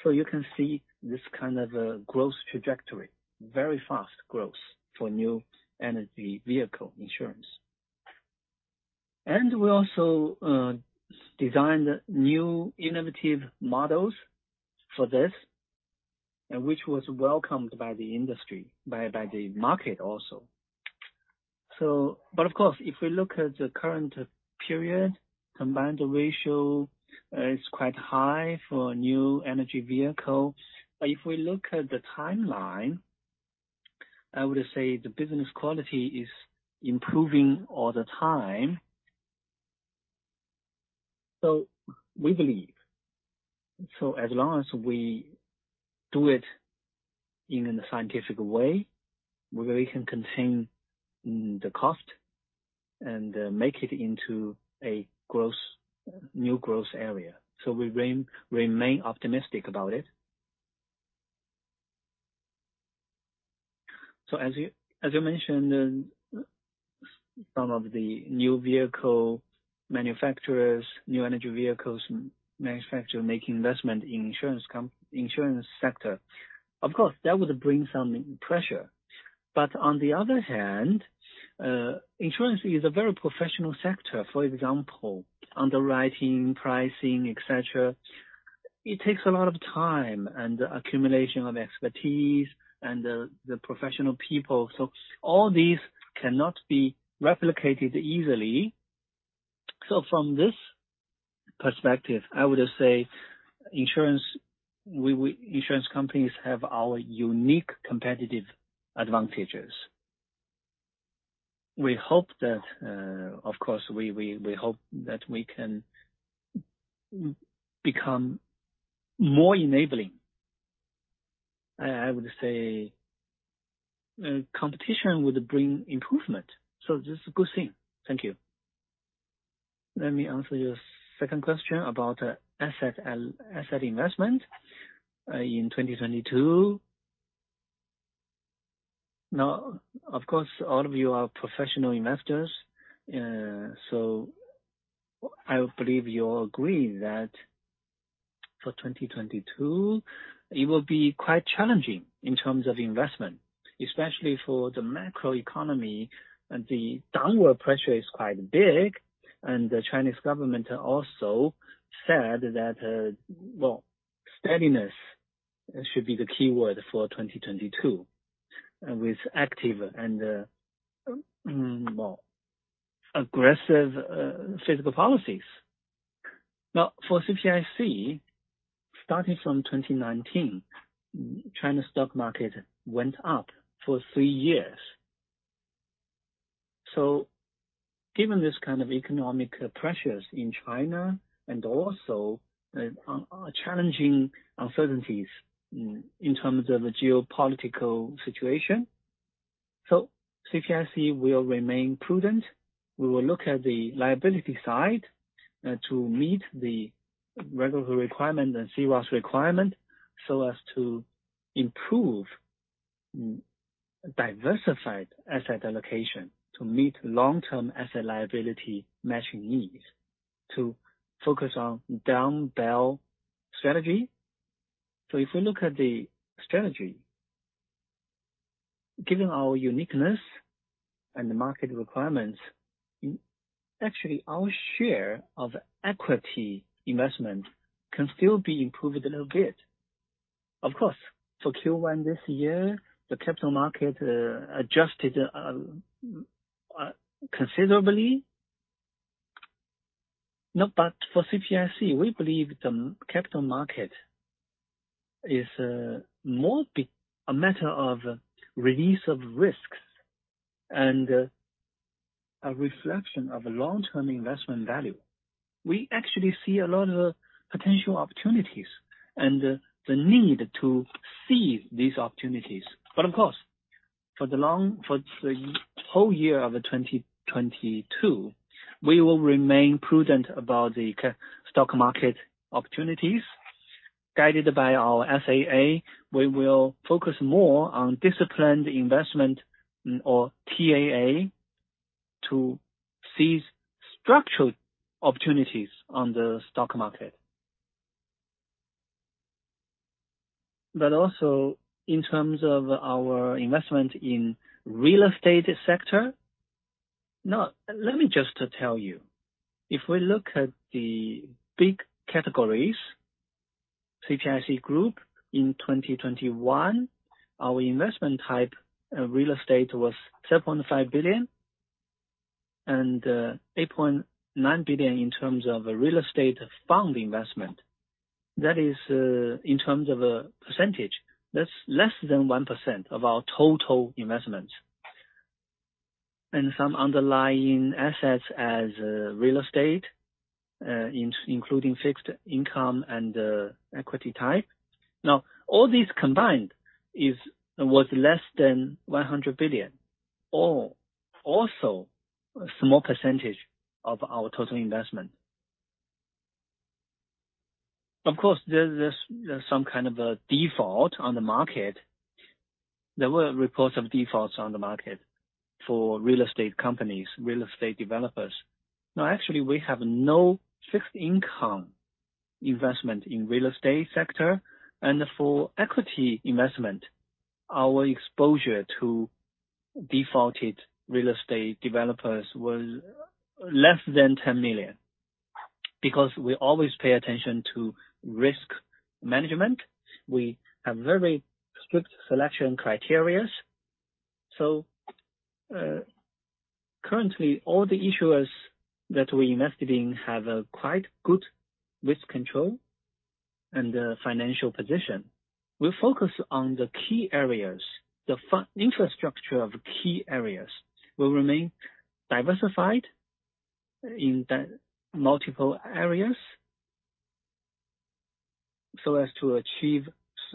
You can see this kind of growth trajectory, very fast growth for new energy vehicle insurance. We also designed new innovative models for this, which was welcomed by the industry, by the market also. But of course, if we look at the current period, combined ratio is quite high for new energy vehicles. If we look at the timeline, I would say the business quality is improving all the time. We believe. As long as we do it in a scientific way, we can contain the cost and make it into a growth, new growth area. We remain optimistic about it. As you mentioned, some of the new vehicle manufacturers, new energy vehicles manufacturers making investment in insurance sector. Of course, that would bring some pressure. On the other hand, insurance is a very professional sector. For example, underwriting, pricing, etc. It takes a lot of time and accumulation of expertise and the professional people. All these cannot be replicated easily. From this perspective, I would say insurance companies have our unique competitive advantages. We hope that, of course, we hope that we can become more enabling. I would say competition would bring improvement. This is a good thing. Thank you. Let me answer your second question about asset and asset investment in 2022. Now, of course, all of you are professional investors, so I believe you all agree that for 2022, it will be quite challenging in terms of investment, especially for the macro economy, and the downward pressure is quite big. The Chinese government also said that stability should be the keyword for 2022 with active and aggressive fiscal policies. For CPIC, starting from 2019, China's stock market went up for three years. Given this kind of economic pressures in China and also challenging uncertainties in terms of the geopolitical situation, CPIC will remain prudent. We will look at the liability side to meet the regulatory requirement and CBIRC's requirement so as to improve diversified asset allocation to meet long-term asset liability matching needs, to focus on dumbbell strategy. If we look at the strategy, given our uniqueness and the market requirements, actually, our share of equity investment can still be improved a little bit. Of course, for Q1 this year, the capital market adjusted considerably. For CPIC, we believe the capital market is more of a matter of release of risks and a reflection of long-term investment value. We actually see a lot of potential opportunities and the need to seize these opportunities. Of course, for the whole year of 2022, we will remain prudent about the stock market opportunities. Guided by our SAA, we will focus more on disciplined investment or TAA to seize structural opportunities on the stock market. Also in terms of our investment in real estate sector. Now, let me just tell you, if we look at the big categories, CPIC Group in 2021, our investment type, real estate was 7.5 billion and 8.9 billion in terms of real estate fund investment. That is, in terms of a percentage, that's less than 1% of our total investments. Some underlying assets as real estate, including fixed income and equity type. Now, all these combined was less than 100 billion, or also a small percentage of our total investment. Of course, there's some kind of a default on the market. There were reports of defaults on the market for real estate companies, real estate developers. Now, actually, we have no fixed income investment in real estate sector. For equity investment, our exposure to defaulted real estate developers was less than 10 million. Because we always pay attention to risk management, we have very strict selection criteria. Currently, all the issuers that we invested in have a quite good risk control and financial position. We focus on the key areas. The infrastructure of key areas will remain diversified in the multiple areas so as to achieve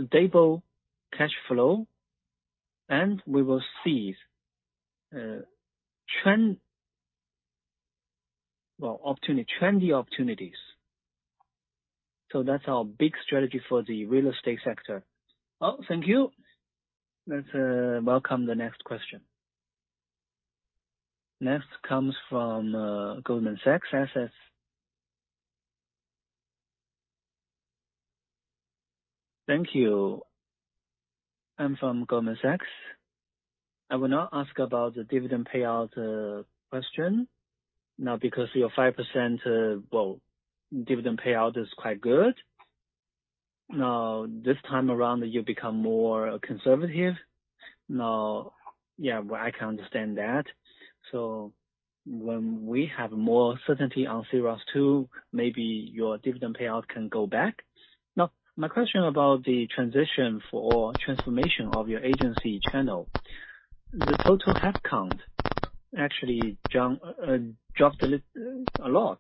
stable cash flow, and we will seize opportunity, trendy opportunities. That's our big strategy for the real estate sector. Oh, thank you. Let's welcome the next question. Next comes from Goldman Sachs. S.S. Thank you. I'm from Goldman Sachs. I will now ask about the dividend payout question. Because your 5% dividend payout is quite good. This time around, you become more conservative. I can understand that. When we have more certainty on C-ROSS II, maybe your dividend payout can go back. My question about the transition for transformation of your agency channel, the total head count actually dropped a lot.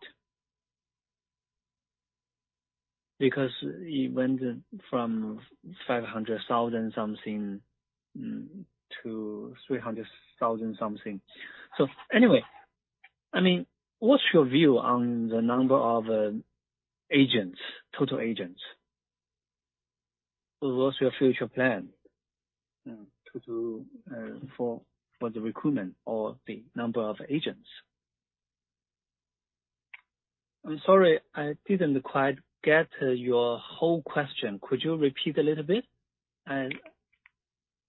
Because it went from 500,000 something to 300,000 something. I mean, what's your view on the number of agents, total agents? What's your future plan to do for the recruitment or the number of agents? I'm sorry, I didn't quite get your whole question. Could you repeat a little bit?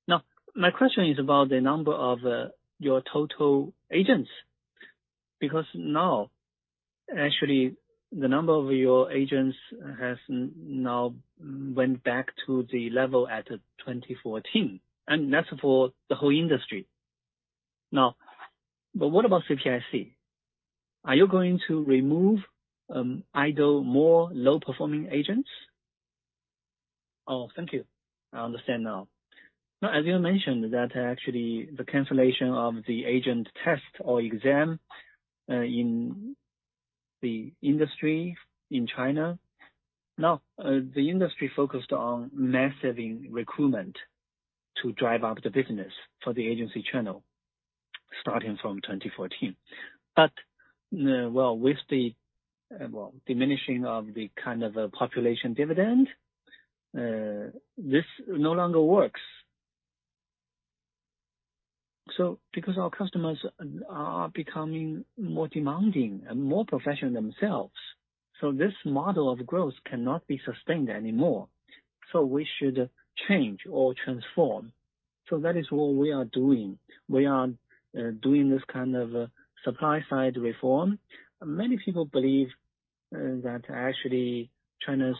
No. My question is about the number of your total agents. Because now, actually, the number of your agents has now went back to the level at 2014, and that's for the whole industry. What about CPIC? Are you going to remove idle more low-performing agents? Oh, thank you. I understand now. As you mentioned, that actually the cancellation of the agent test or exam in the industry in China. Now, the industry focused on massive recruitment to drive up the business for the agency channel starting from 2014. With the diminishing of the kind of population dividend, this no longer works. Because our customers are becoming more demanding and more professional themselves, so this model of growth cannot be sustained anymore. We should change or transform. That is what we are doing. We are doing this kind of supply-side reform. Many people believe that actually China's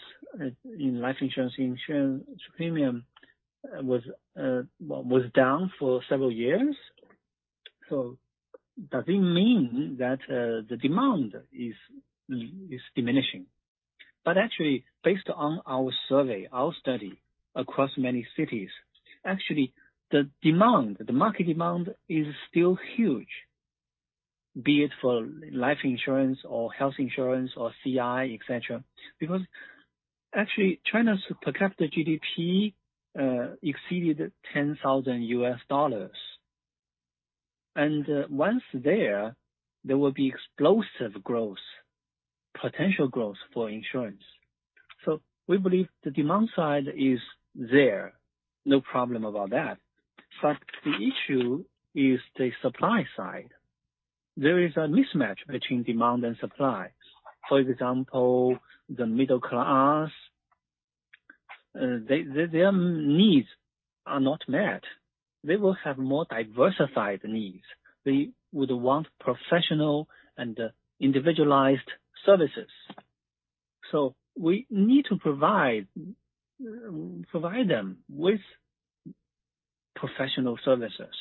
Life Insurance premium was down for several years. Does it mean that the demand is diminishing? Actually, based on our survey, our study across many cities, actually the demand, the market demand is still huge. Be it for Life Insurance or health insurance or CI, et cetera. Because actually, China's per capita GDP exceeded $10,000. Once there will be explosive growth, potential growth for insurance. We believe the demand side is there. No problem about that. The issue is the supply side. There is a mismatch between demand and supply. For example, the middle class, their needs are not met. They will have more diversified needs. They would want professional and individualized services. We need to provide them with professional services.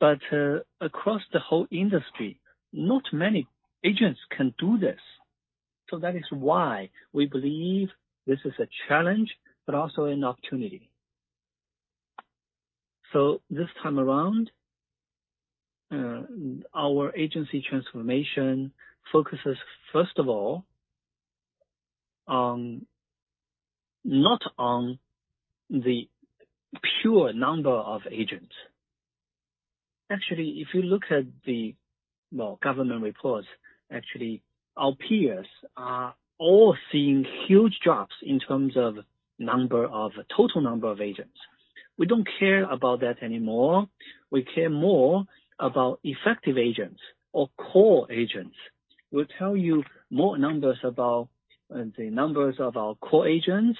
Across the whole industry, not many agents can do this. That is why we believe this is a challenge, but also an opportunity. This time around, our agency transformation focuses first of all on, not on the pure number of agents. Actually, if you look at the government reports, actually, our peers are all seeing huge drops in terms of number of total number of agents. We don't care about that anymore. We care more about effective agents or core agents. We'll tell you more numbers about the numbers of our core agents,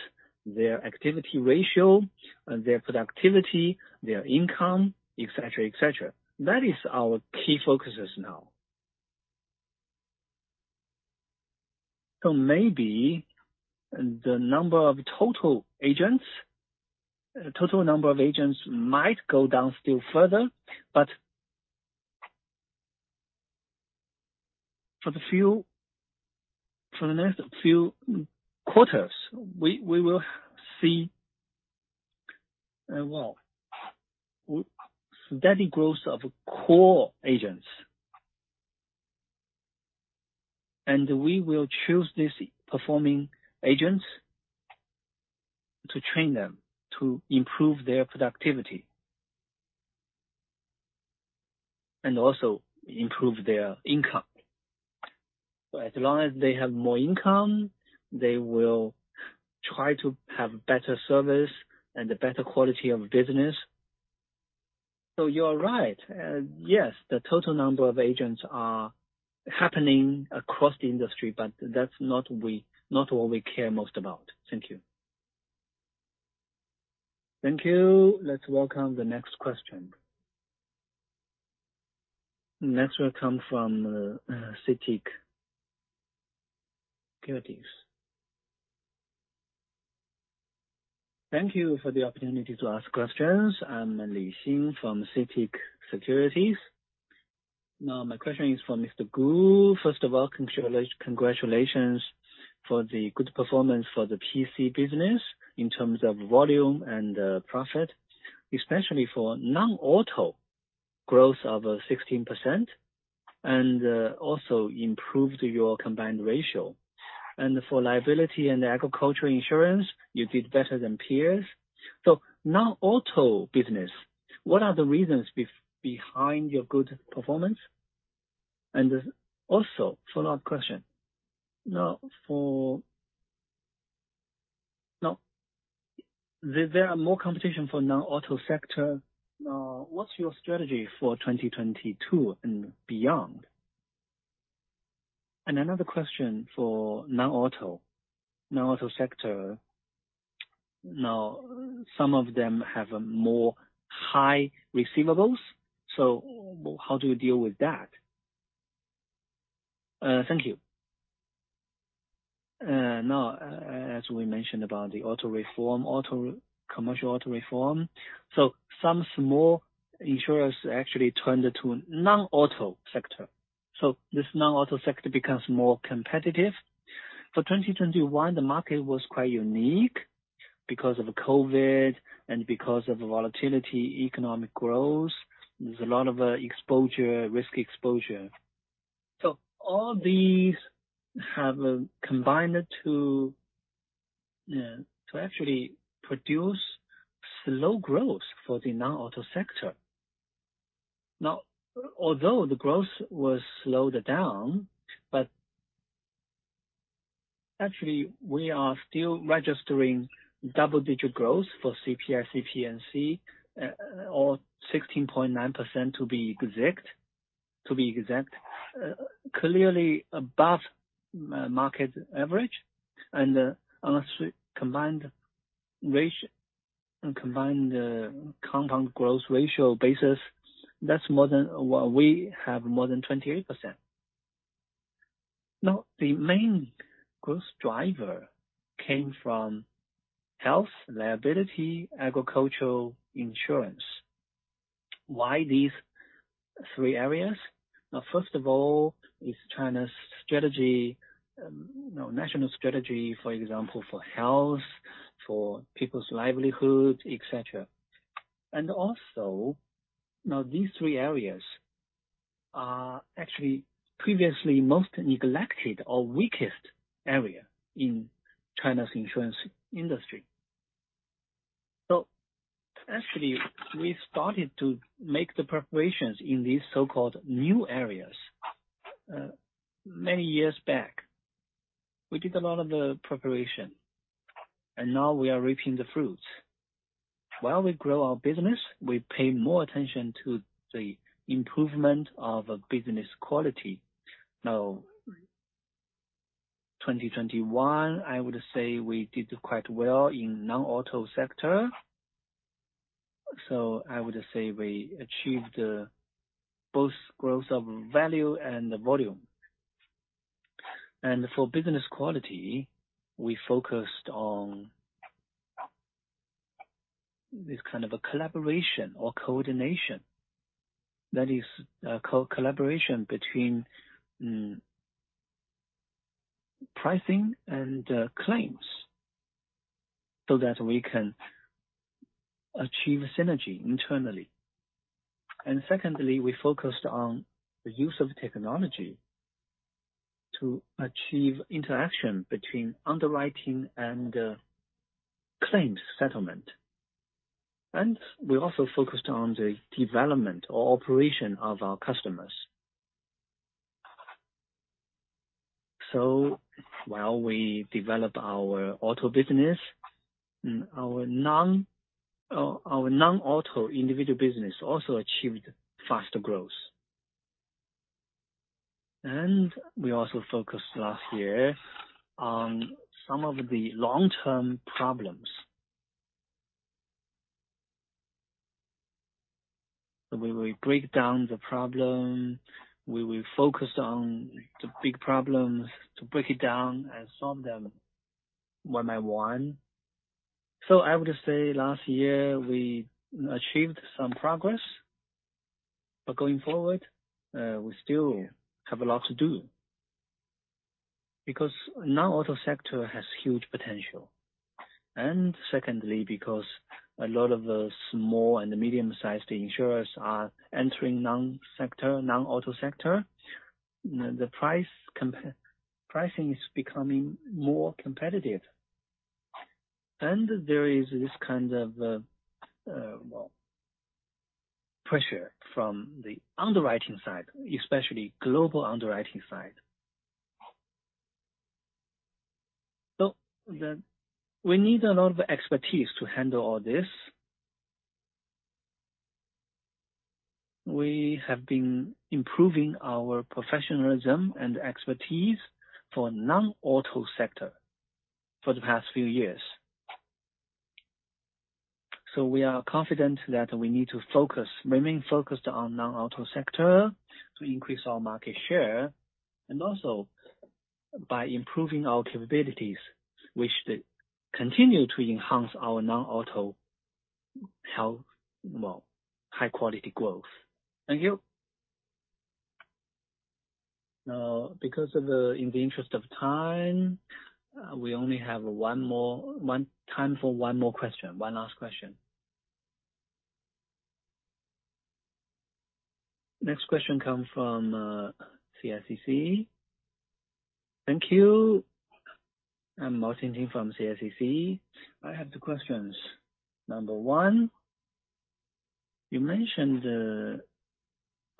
their activity ratio, their productivity, their income, et cetera, et cetera. That is our key focuses now. Maybe the number of total agents might go down still further, but for the next few quarters, we will see steady growth of core agents. We will choose these performing agents to train them to improve their productivity. Also improve their income. As long as they have more income, they will try to have better service and a better quality of business. You are right. The total number of agents is declining across the industry, but that's not what we care most about. Thank you. Thank you. Let's welcome the next question. Next will come from CITIC Securities. Thank you for the opportunity to ask questions. I'm Li Xin from CITIC Securities. Now, my question is for Mr. Gu. First of all, congratulations for the good performance for the P&C business in terms of volume and profit, especially for Non-auto growth of 16%, and also improved your combined ratio. For liability and agricultural insurance, you did better than peers. Non-auto business, what are the reasons behind your good performance? Also follow-up question. Now, there are more competition for Non-auto sector. Now, what's your strategy for 2022 and beyond? Another question for Non-auto sector. Now, some of them have higher receivables. How do you deal with that? Thank you. Now, as we mentioned about the auto reform, commercial auto reform. Some small insurers actually turned to Non-auto sector. This Non-auto sector becomes more competitive. For 2021, the market was quite unique because of COVID and because of volatile economic growth. There's a lot of risk exposure. All these have combined to actually produce slow growth for the Non-auto sector. Now, although the growth was slowed down, but actually we are still registering double-digit growth for CPIC P&C, or 16.9% to be exact. Clearly above market average. On a combined ratio, on combined compound growth ratio basis, that's more than well, we have more than 28%. Now, the main growth driver came from health, liability, agricultural insurance. Why these three areas? First of all, it's China's strategy, you know, national strategy, for example, for health, for people's livelihood, et cetera. Also these three areas are actually previously most neglected or weakest area in China's insurance industry. Actually, we started to make the preparations in these so-called new areas, many years back. We did a lot of the preparation, and now we are reaping the fruits. While we grow our business, we pay more attention to the improvement of business quality. Now, 2021, I would say we did quite well in Non-auto sector. I would say we achieved both growth of value and volume. For business quality, we focused on this kind of a collaboration or coordination, that is a collaboration between pricing and claims so that we can achieve synergy internally. Secondly, we focused on the use of technology to achieve interaction between underwriting and claims settlement. We also focused on the development or operation of our customers. While we develop our auto business, our Non-auto individual business also achieved faster growth. We also focused last year on some of the long-term problems. We will break down the problem. We will focus on the big problems to break it down and solve them one by one. I would say last year we achieved some progress, but going forward, we still have a lot to do because Non-auto sector has huge potential. Secondly, because a lot of the small and medium-sized insurers are entering Non-auto sector, the pricing is becoming more competitive. There is this kind of pressure from the underwriting side, especially global underwriting side. We need a lot of expertise to handle all this. We have been improving our professionalism and expertise for Non-auto sector for the past few years. We are confident that we need to focus, remain focused on Non-auto sector to increase our market share and also by improving our capabilities, which they continue to enhance our Non-auto health high quality growth. Thank you. Now, in the interest of time, we only have time for one more question, one last question. Next question come from CSCC. Thank you. I'm Mao Xinting from CSCC. I have two questions. Number one, you mentioned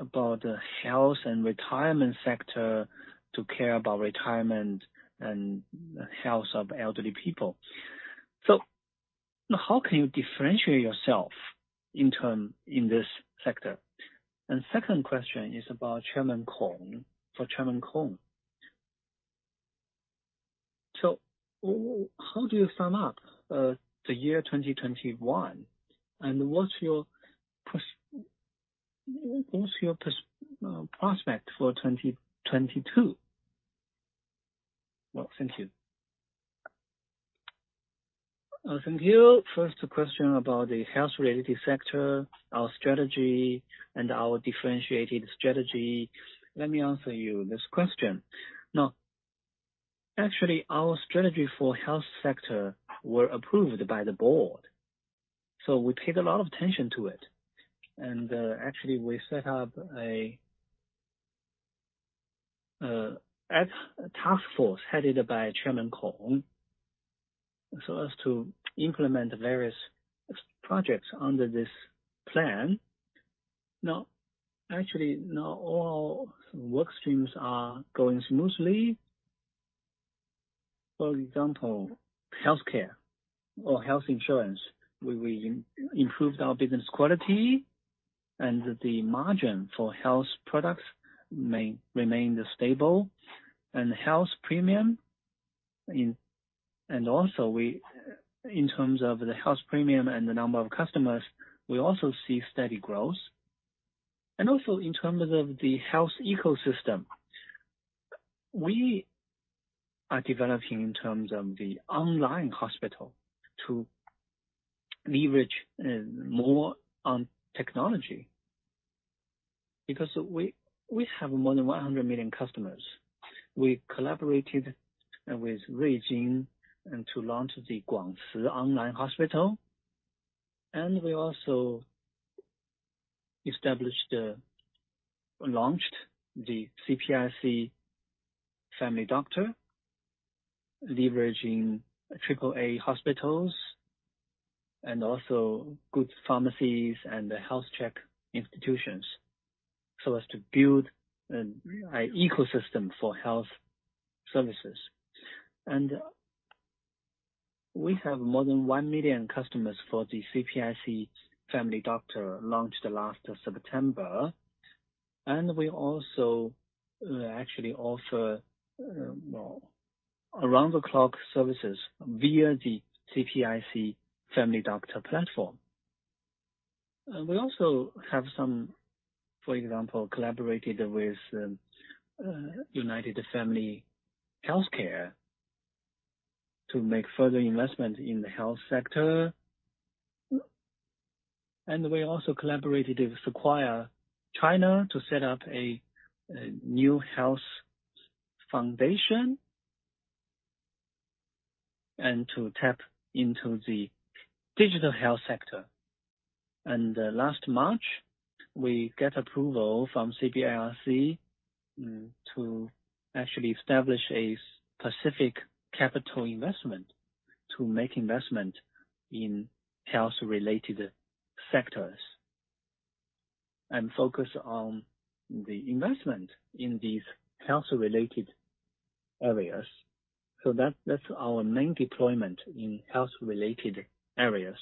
about the health and retirement sector to care about retirement and health of elderly people. How can you differentiate yourself in this sector? Second question is about Chairman Kong. For Chairman Kong. How do you sum up the year 2021, and what's your prospect for 2022? Well, thank you. Thank you. First question about the health-related sector, our strategy, and our differentiated strategy. Let me answer you this question. Actually, our strategy for health sector were approved by the board, so we paid a lot of attention to it. Actually, we set up a task force headed by Chairman Kong, so as to implement various projects under this plan. Actually, all work streams are going smoothly. For example, healthcare or health insurance, we improved our business quality and the margin for health products may remain stable. Health premium and the number of customers, we see steady growth. In terms of the health ecosystem, we are developing in terms of the online hospital to leverage more on technology, because we have more than 100 million customers. We collaborated with Ruijin and to launch the Guangci Online Hospital, and we also launched the CPIC Family Doctor, leveraging triple A hospitals and also good pharmacies and the health check institutions, so as to build a ecosystem for health services. We have more than 1 million customers for the CPIC Family Doctor launched last September. We also actually offer well around-the-clock services via the CPIC Family Doctor platform. We also have for example collaborated with United Family Healthcare to make further investment in the health sector. We also collaborated with Sequoia China to set up a new health foundation and to tap into the digital health sector. Last March we get approval from CBIRC to actually establish a specific capital investment to make investment in health-related sectors and focus on the investment in these health-related areas. That's our main deployment in health-related areas.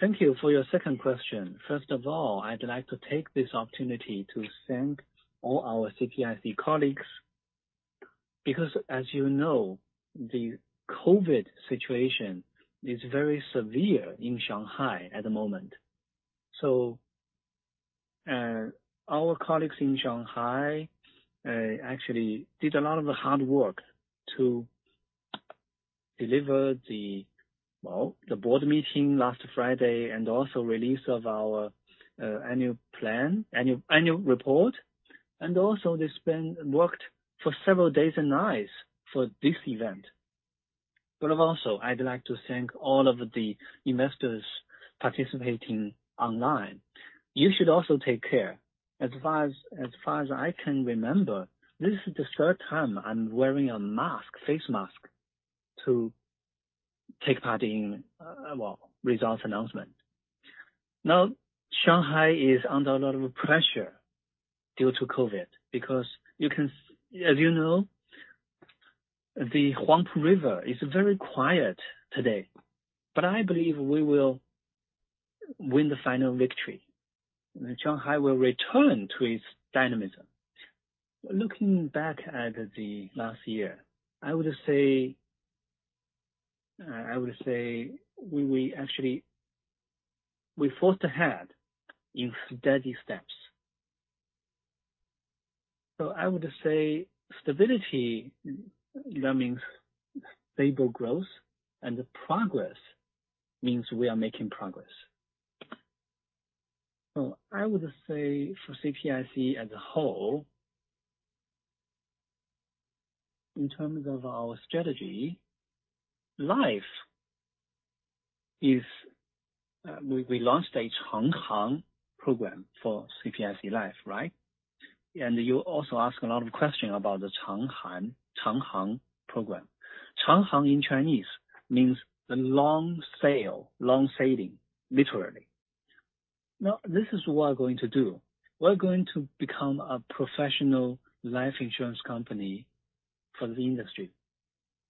Thank you. For your second question first of all I'd like to take this opportunity to thank all our CPIC colleagues because as you know the COVID situation is very severe in Shanghai at the moment. Our colleagues in Shanghai actually did a lot of hard work to deliver the, well, the board meeting last Friday and also release of our annual report. They spent, worked for several days and nights for this event. I'd like to thank all of the investors participating online. You should also take care. As far as I can remember, this is the third time I'm wearing a mask, face mask, to take part in, well, results announcement. Now, Shanghai is under a lot of pressure due to COVID because as you know, the Huangpu River is very quiet today. I believe we will win the final victory, and Shanghai will return to its dynamism. Looking back at the last year, I would say we actually... We forged ahead in steady steps. I would say stability, that means stable growth, and progress means we are making progress. I would say for CPIC as a whole, in terms of our strategy, life is, we launched a Changhang program for CPIC Life, right? You also ask a lot of question about the Changhang, Changhang program. Changhang in Chinese means the long sail, long sailing, literally. Now, this is what we're going to do. We're going to become a professional Life Insurance company for the industry.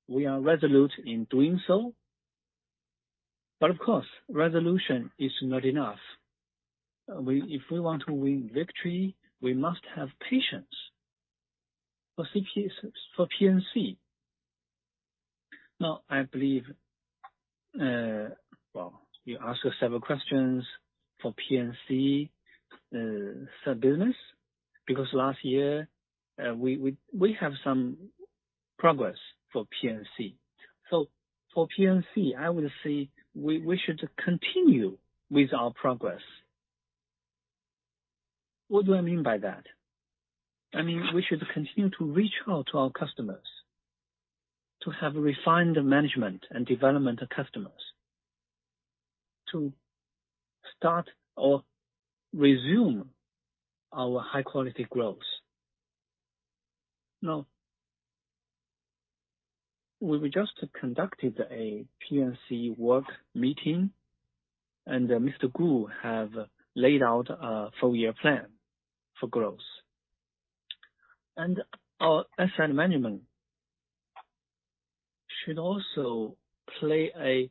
We are resolute in doing so. Of course, resolution is not enough. If we want to win victory, we must have patience for CP... For P&C. I believe, you asked several questions for P&C, sub-business, because last year, we have some progress for P&C. For CPIC P&C, I would say, we should continue with our progress. What do I mean by that? I mean, we should continue to reach out to our customers, to have refined management and development of customers, to start or resume our high-quality growth. Now, we just conducted a CPIC P&C work meeting, and Mr. Gu Yue have laid out a four-year plan for growth. Our asset management should also play a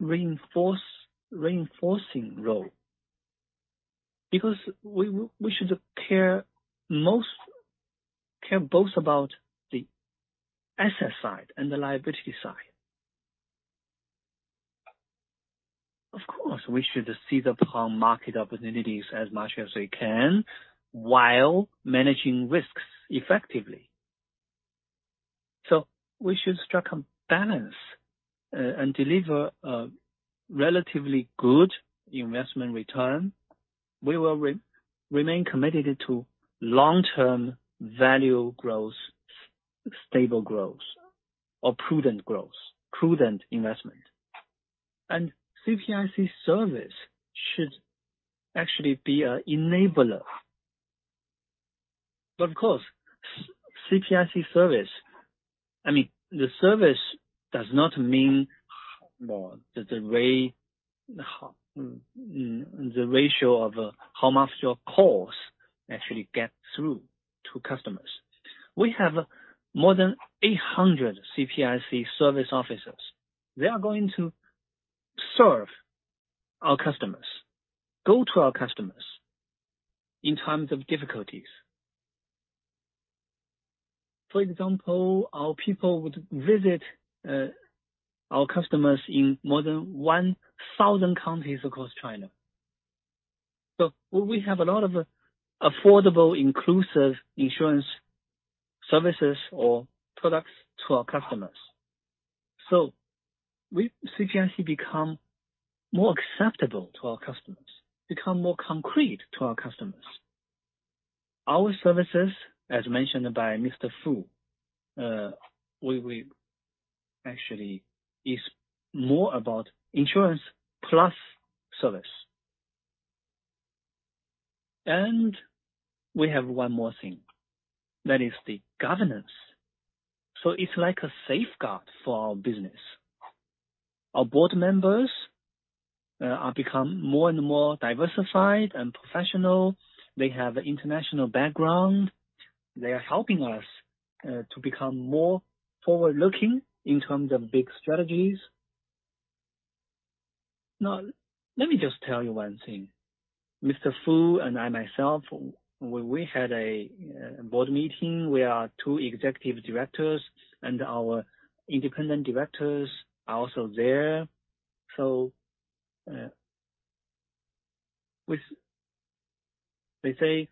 reinforcing role because we should care both about the asset side and the liability side. Of course, we should seize upon market opportunities as much as we can while managing risks effectively. We should strike a balance and deliver a relatively good investment return. We will remain committed to long-term value growth, stable growth or prudent growth, prudent investment. CPIC Service should actually be an enabler. Of course, CPIC Service, I mean, the service does not mean the way, the ratio of how much your calls actually get through to customers. We have more than 800 CPIC Service officers. They are going to serve our customers, go to our customers in times of difficulties. For example, our people would visit our customers in more than 1,000 counties across China. We have a lot of affordable, inclusive insurance services or products to our customers. We, CPIC become more acceptable to our customers, become more concrete to our customers. Our services, as mentioned by Mr. Fu, we actually is more about insurance plus service. We have one more thing. That is the governance. It's like a safeguard for our business. Our board members are become more and more diversified and professional. They have international background. They are helping us to become more forward-looking in terms of big strategies. Now, let me just tell you one thing. Mr. Fu Fan and I myself, we had a board meeting. We are two executive directors, and our independent directors are also there. They say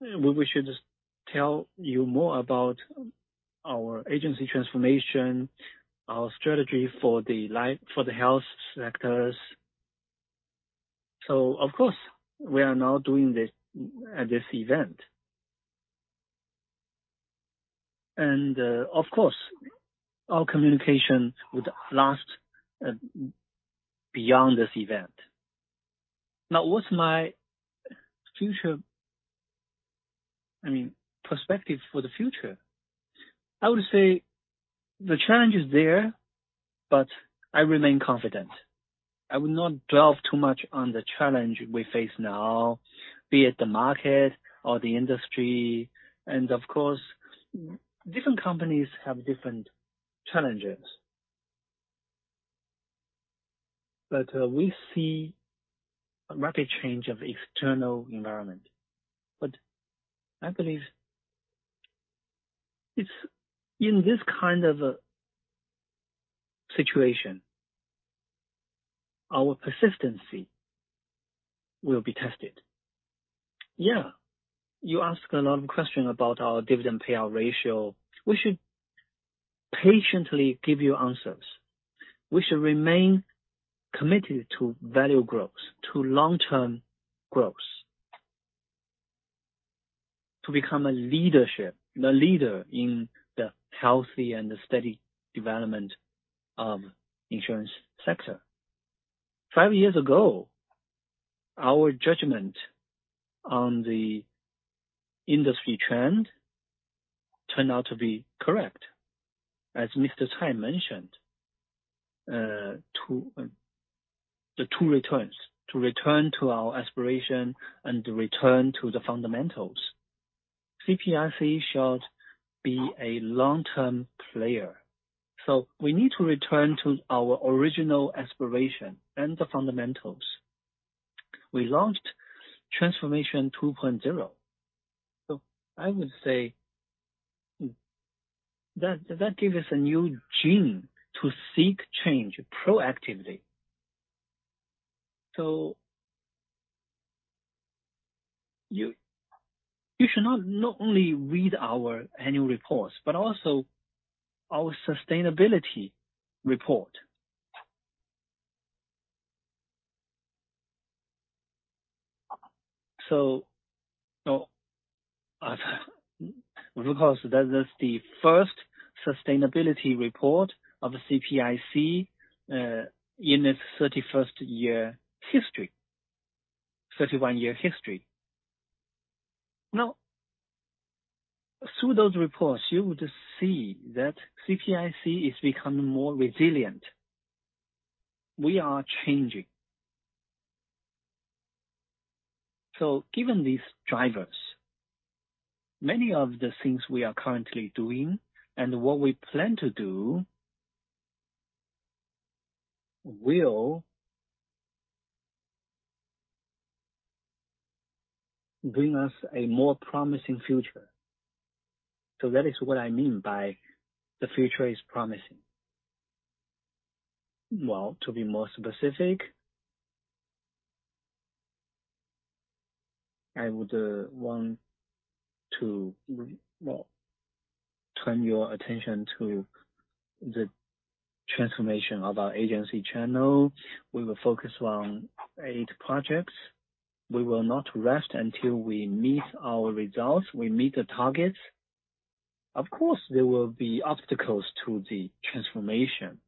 we should just tell you more about our agency transformation, our strategy for the life, for the health sectors. Of course, we are now doing this at this event. Of course, our communication would last beyond this event. Now, what's my future, I mean, perspective for the future? I would say the challenge is there, but I remain confident. I would not delve too much on the challenge we face now, be it the market or the industry, and of course, different companies have different challenges. We see a rapid change of external environment. I believe it's in this kind of situation, our persistency will be tested. Yeah. You ask a lot of question about our dividend payout ratio. We should patiently give you answers. We should remain committed to value growth, to long-term growth. To become a leadership, a leader in the healthy and steady development of insurance sector. Five years ago, our judgment on the industry trend turned out to be correct. As Mr. Cai mentioned, The two returns, to return to our aspiration and return to the fundamentals. CPIC should be a long-term player, so we need to return to our original aspiration and the fundamentals. We launched Transformation 2.0. I would say that gave us a new gene to seek change proactively. You should not only read our annual reports, but also our sustainability report. Now, because that is the first sustainability report of CPIC in its 31st year history. Now, through those reports, you would see that CPIC is becoming more resilient. We are changing. Given these drivers, many of the things we are currently doing and what we plan to do, will bring us a more promising future. That is what I mean by the future is promising. Well, to be more specific, I would want to turn your attention to the transformation of our agency channel. We will focus on 8 projects. We will not rest until we meet our results, we meet the targets. Of course, there will be obstacles to the transformation.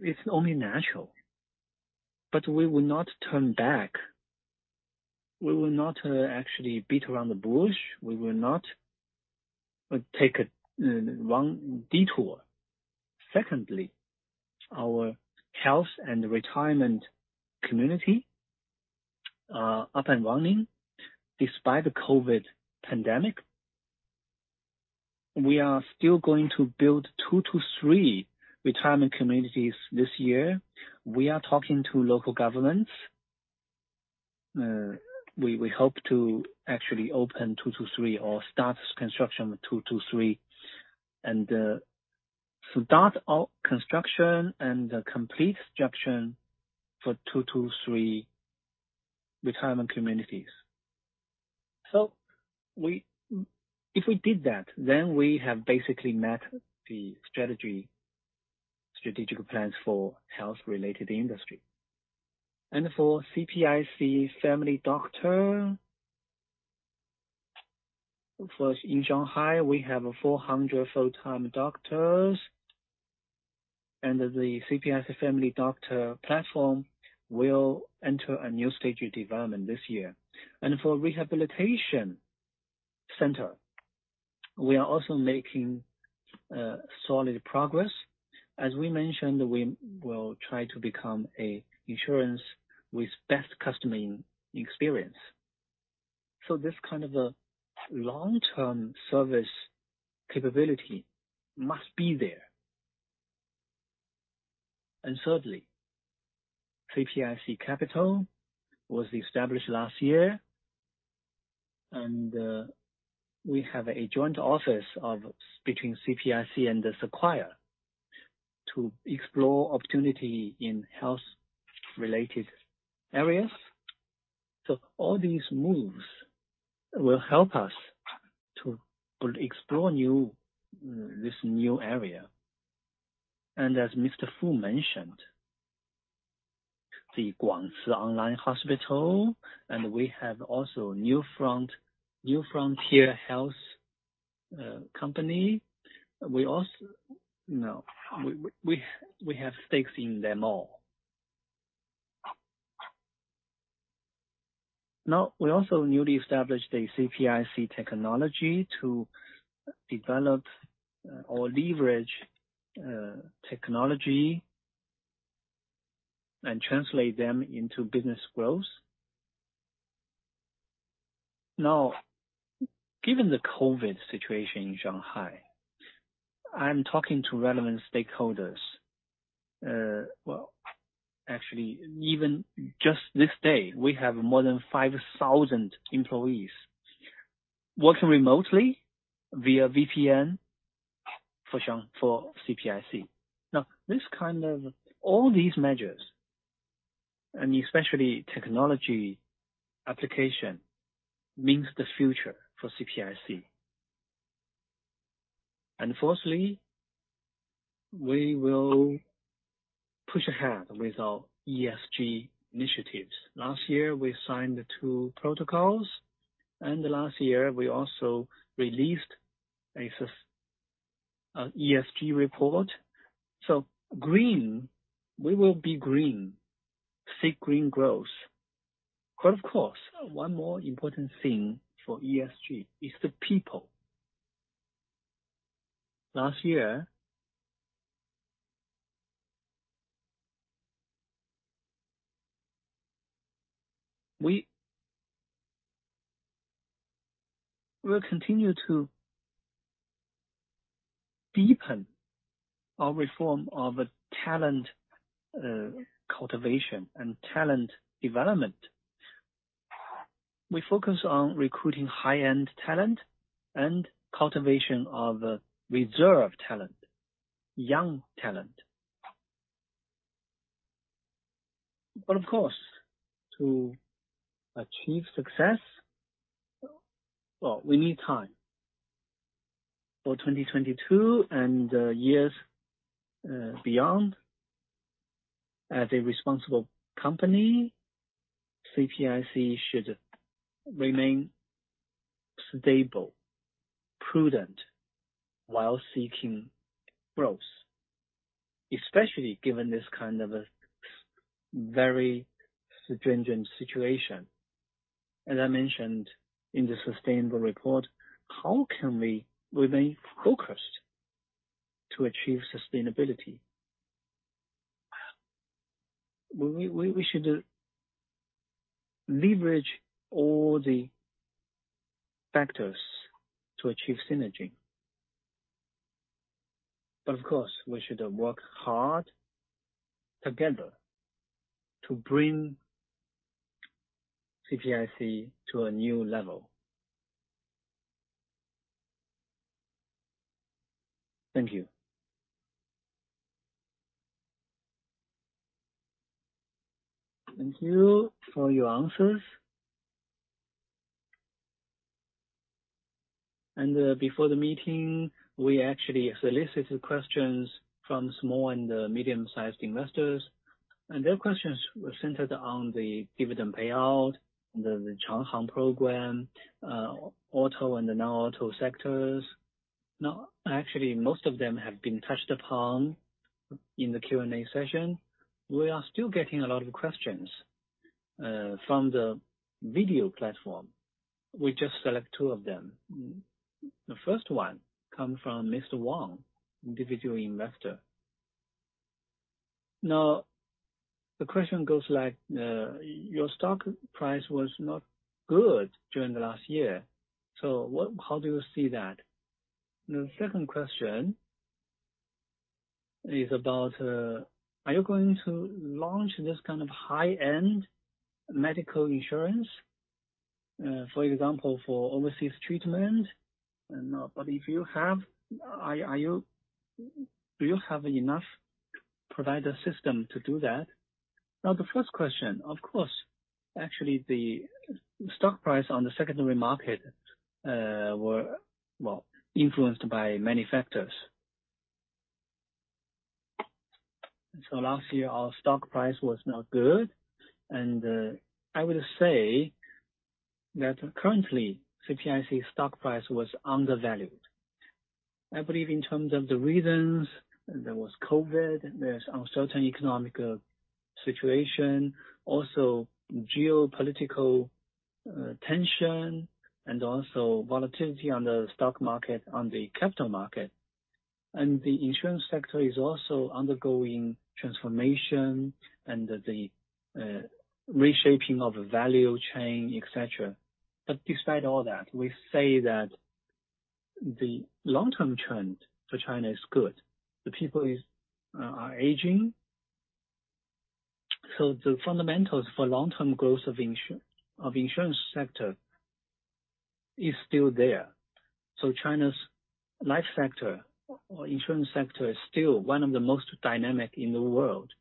It's only natural. We will not turn back. We will not actually beat around the bush. We will not take a one detour. Secondly, our health and retirement community up and running despite the COVID pandemic. We are still going to build 2-3 retirement communities this year. We are talking to local governments. We hope to actually open 2-3 or start construction of 2-3 and start our construction and complete construction for 2-3 retirement communities. If we did that, then we have basically met the strategic plans for health-related industry. For CPIC Family Doctor, first in Shanghai, we have 400 full-time doctors and the CPIC Family Doctor platform will enter a new stage of development this year. For rehabilitation center, we are also making solid progress. As we mentioned, we will try to become an insurance with best customer experience. This kind of a long-term service capability must be there. Thirdly, CPIC Capital was established last year, and we have a joint office between CPIC and Sequoia to explore opportunity in health-related areas. All these moves will help us to explore this new area. As Mr. Fu mentioned, the Guangci Online Hospital, and we have also New Frontier Health Company. We have stakes in them all. We also newly established CPIC Technology to develop or leverage technology and translate them into business growth. Given the COVID situation in Shanghai, I'm talking to relevant stakeholders. Well, actually, even just this day, we have more than 5,000 employees working remotely via VPN for CPIC. Now, this kind of all these measures, and especially technology application, means the future for CPIC. Fourthly, we will push ahead with our ESG initiatives. Last year, we signed the two protocols, and last year we also released an ESG report. Green, we will be green. Seek green growth. Of course, one more important thing for ESG is the people. Last year, we will continue to deepen our reform of talent cultivation and talent development. We focus on recruiting high-end talent and cultivation of reserve talent, young talent. Of course, to achieve success, well, we need time. For 2022 and the years beyond, as a responsible company, CPIC should remain stable, prudent while seeking growth. Especially given this kind of a very stringent situation. As I mentioned in the sustainability report, how can we remain focused to achieve sustainability? We should leverage all the factors to achieve synergy. Of course, we should work hard together to bring CPIC to a new level. Thank you. Thank you for your answers. Before the meeting, we actually solicited questions from small and medium-sized investors, and their questions were centered on the dividend payout, the Changhang program, auto and the Non-auto sectors. Now, actually, most of them have been touched upon in the Q&A session. We are still getting a lot of questions from the video platform. We just select two of them. The first one comes from Mr. Wang, individual investor. Now, the question goes like, your stock price was not good during the last year. So, how do you see that? The second question is about are you going to launch this kind of high-end medical insurance, for example, for overseas treatment? But if you have, do you have enough provider system to do that? Now, the first question, of course, actually the stock price on the secondary market were well influenced by many factors. Last year our stock price was not good, and I would say that currently CPIC stock price was undervalued. I believe in terms of the reasons, there was COVID, there's uncertain economic situation, also geopolitical tension and also volatility on the stock market, on the capital market. The insurance sector is also undergoing transformation and the reshaping of value chain, etc. Despite all that, we say that the long-term trend for China is good. The people are aging. The fundamentals for long-term growth of insurance sector is still there. China's life sector or insurance sector is still one of the most dynamic in the world.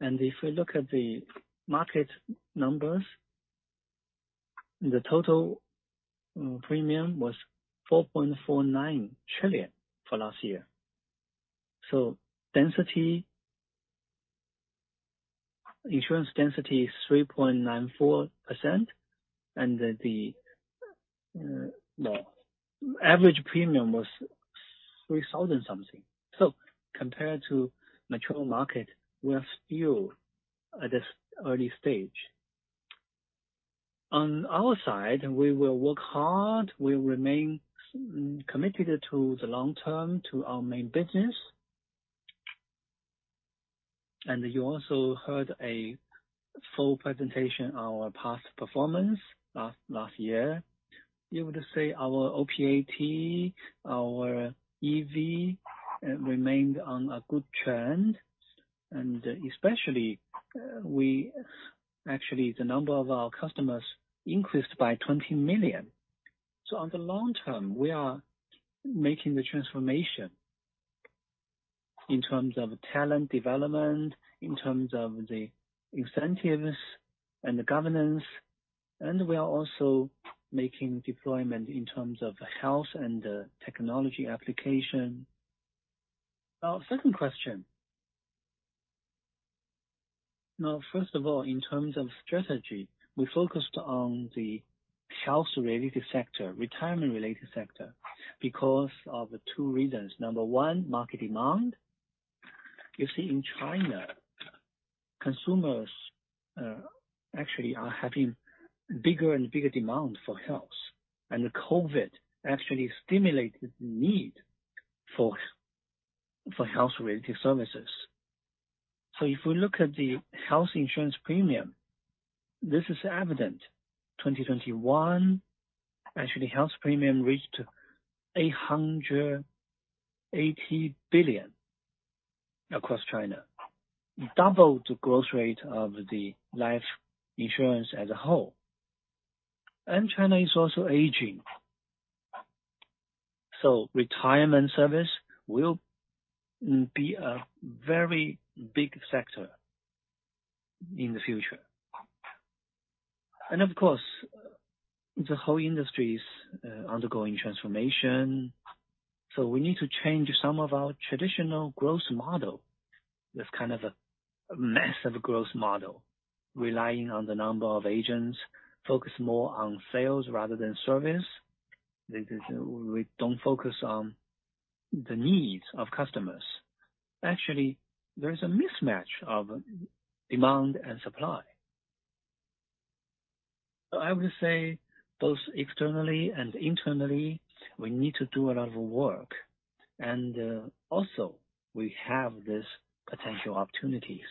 If we look at the market numbers, the total premium was 4.49 trillion for last year. Density, insurance density is 3.94%, and the average premium was 3000 something. Compared to mature market, we are still at this early stage. On our side, we will work hard. We will remain committed to the long-term, to our main business. You also heard a full presentation, our past performance last year. We would say our OPAT, our EV remained on a good trend, and especially actually the number of our customers increased by 20 million. On the long term, we are making the transformation in terms of talent development, in terms of the incentives and the governance, and we are also making deployment in terms of health and technology application. Now, second question. Now, first of all, in terms of strategy, we focused on the health-related sector, retirement-related sector, because of two reasons. Number one, market demand. You see, in China, consumers actually are having bigger and bigger demand for health. And the COVID actually stimulated the need for health-related services. If we look at the health insurance premium, this is evident. 2021, actually, health premium reached 880 billion across China, double the growth rate of the Life Insurance as a whole. And China is also aging. Retirement service will be a very big sector in the future. Of course, the whole industry is undergoing transformation, so we need to change some of our traditional growth model. This kind of a massive growth model, relying on the number of agents, focus more on sales rather than service. We don't focus on the needs of customers. Actually, there's a mismatch of demand and supply. I would say, both externally and internally, we need to do a lot of work. Also, we have these potential opportunities.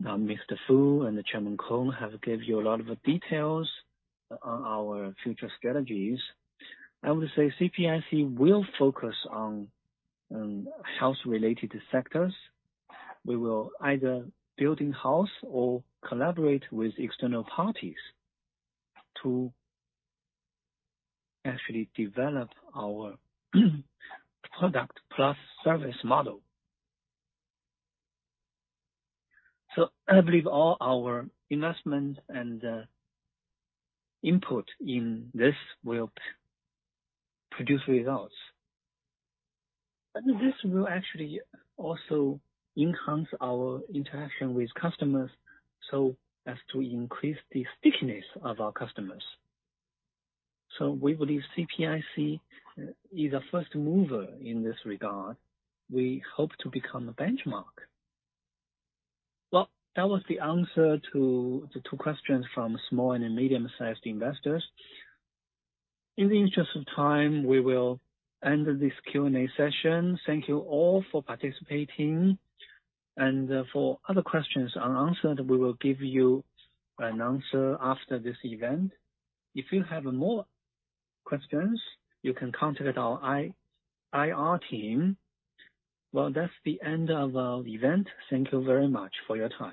Now, Mr. Fu and Chairman Kong have gave you a lot of details on our future strategies. I would say CPIC will focus on health-related sectors. We will either build in-house or collaborate with external parties to actually develop our product plus service model. I believe all our investment and input in this will produce results. This will actually also enhance our interaction with customers so as to increase the stickiness of our customers. We believe CPIC is a first mover in this regard. We hope to become a benchmark. Well, that was the answer to the two questions from small and medium-sized investors. In the interest of time, we will end this Q&A session. Thank you all for participating. For other questions unanswered, we will give you an answer after this event. If you have more questions, you can contact our IR team. Well, that's the end of our event. Thank you very much for your time.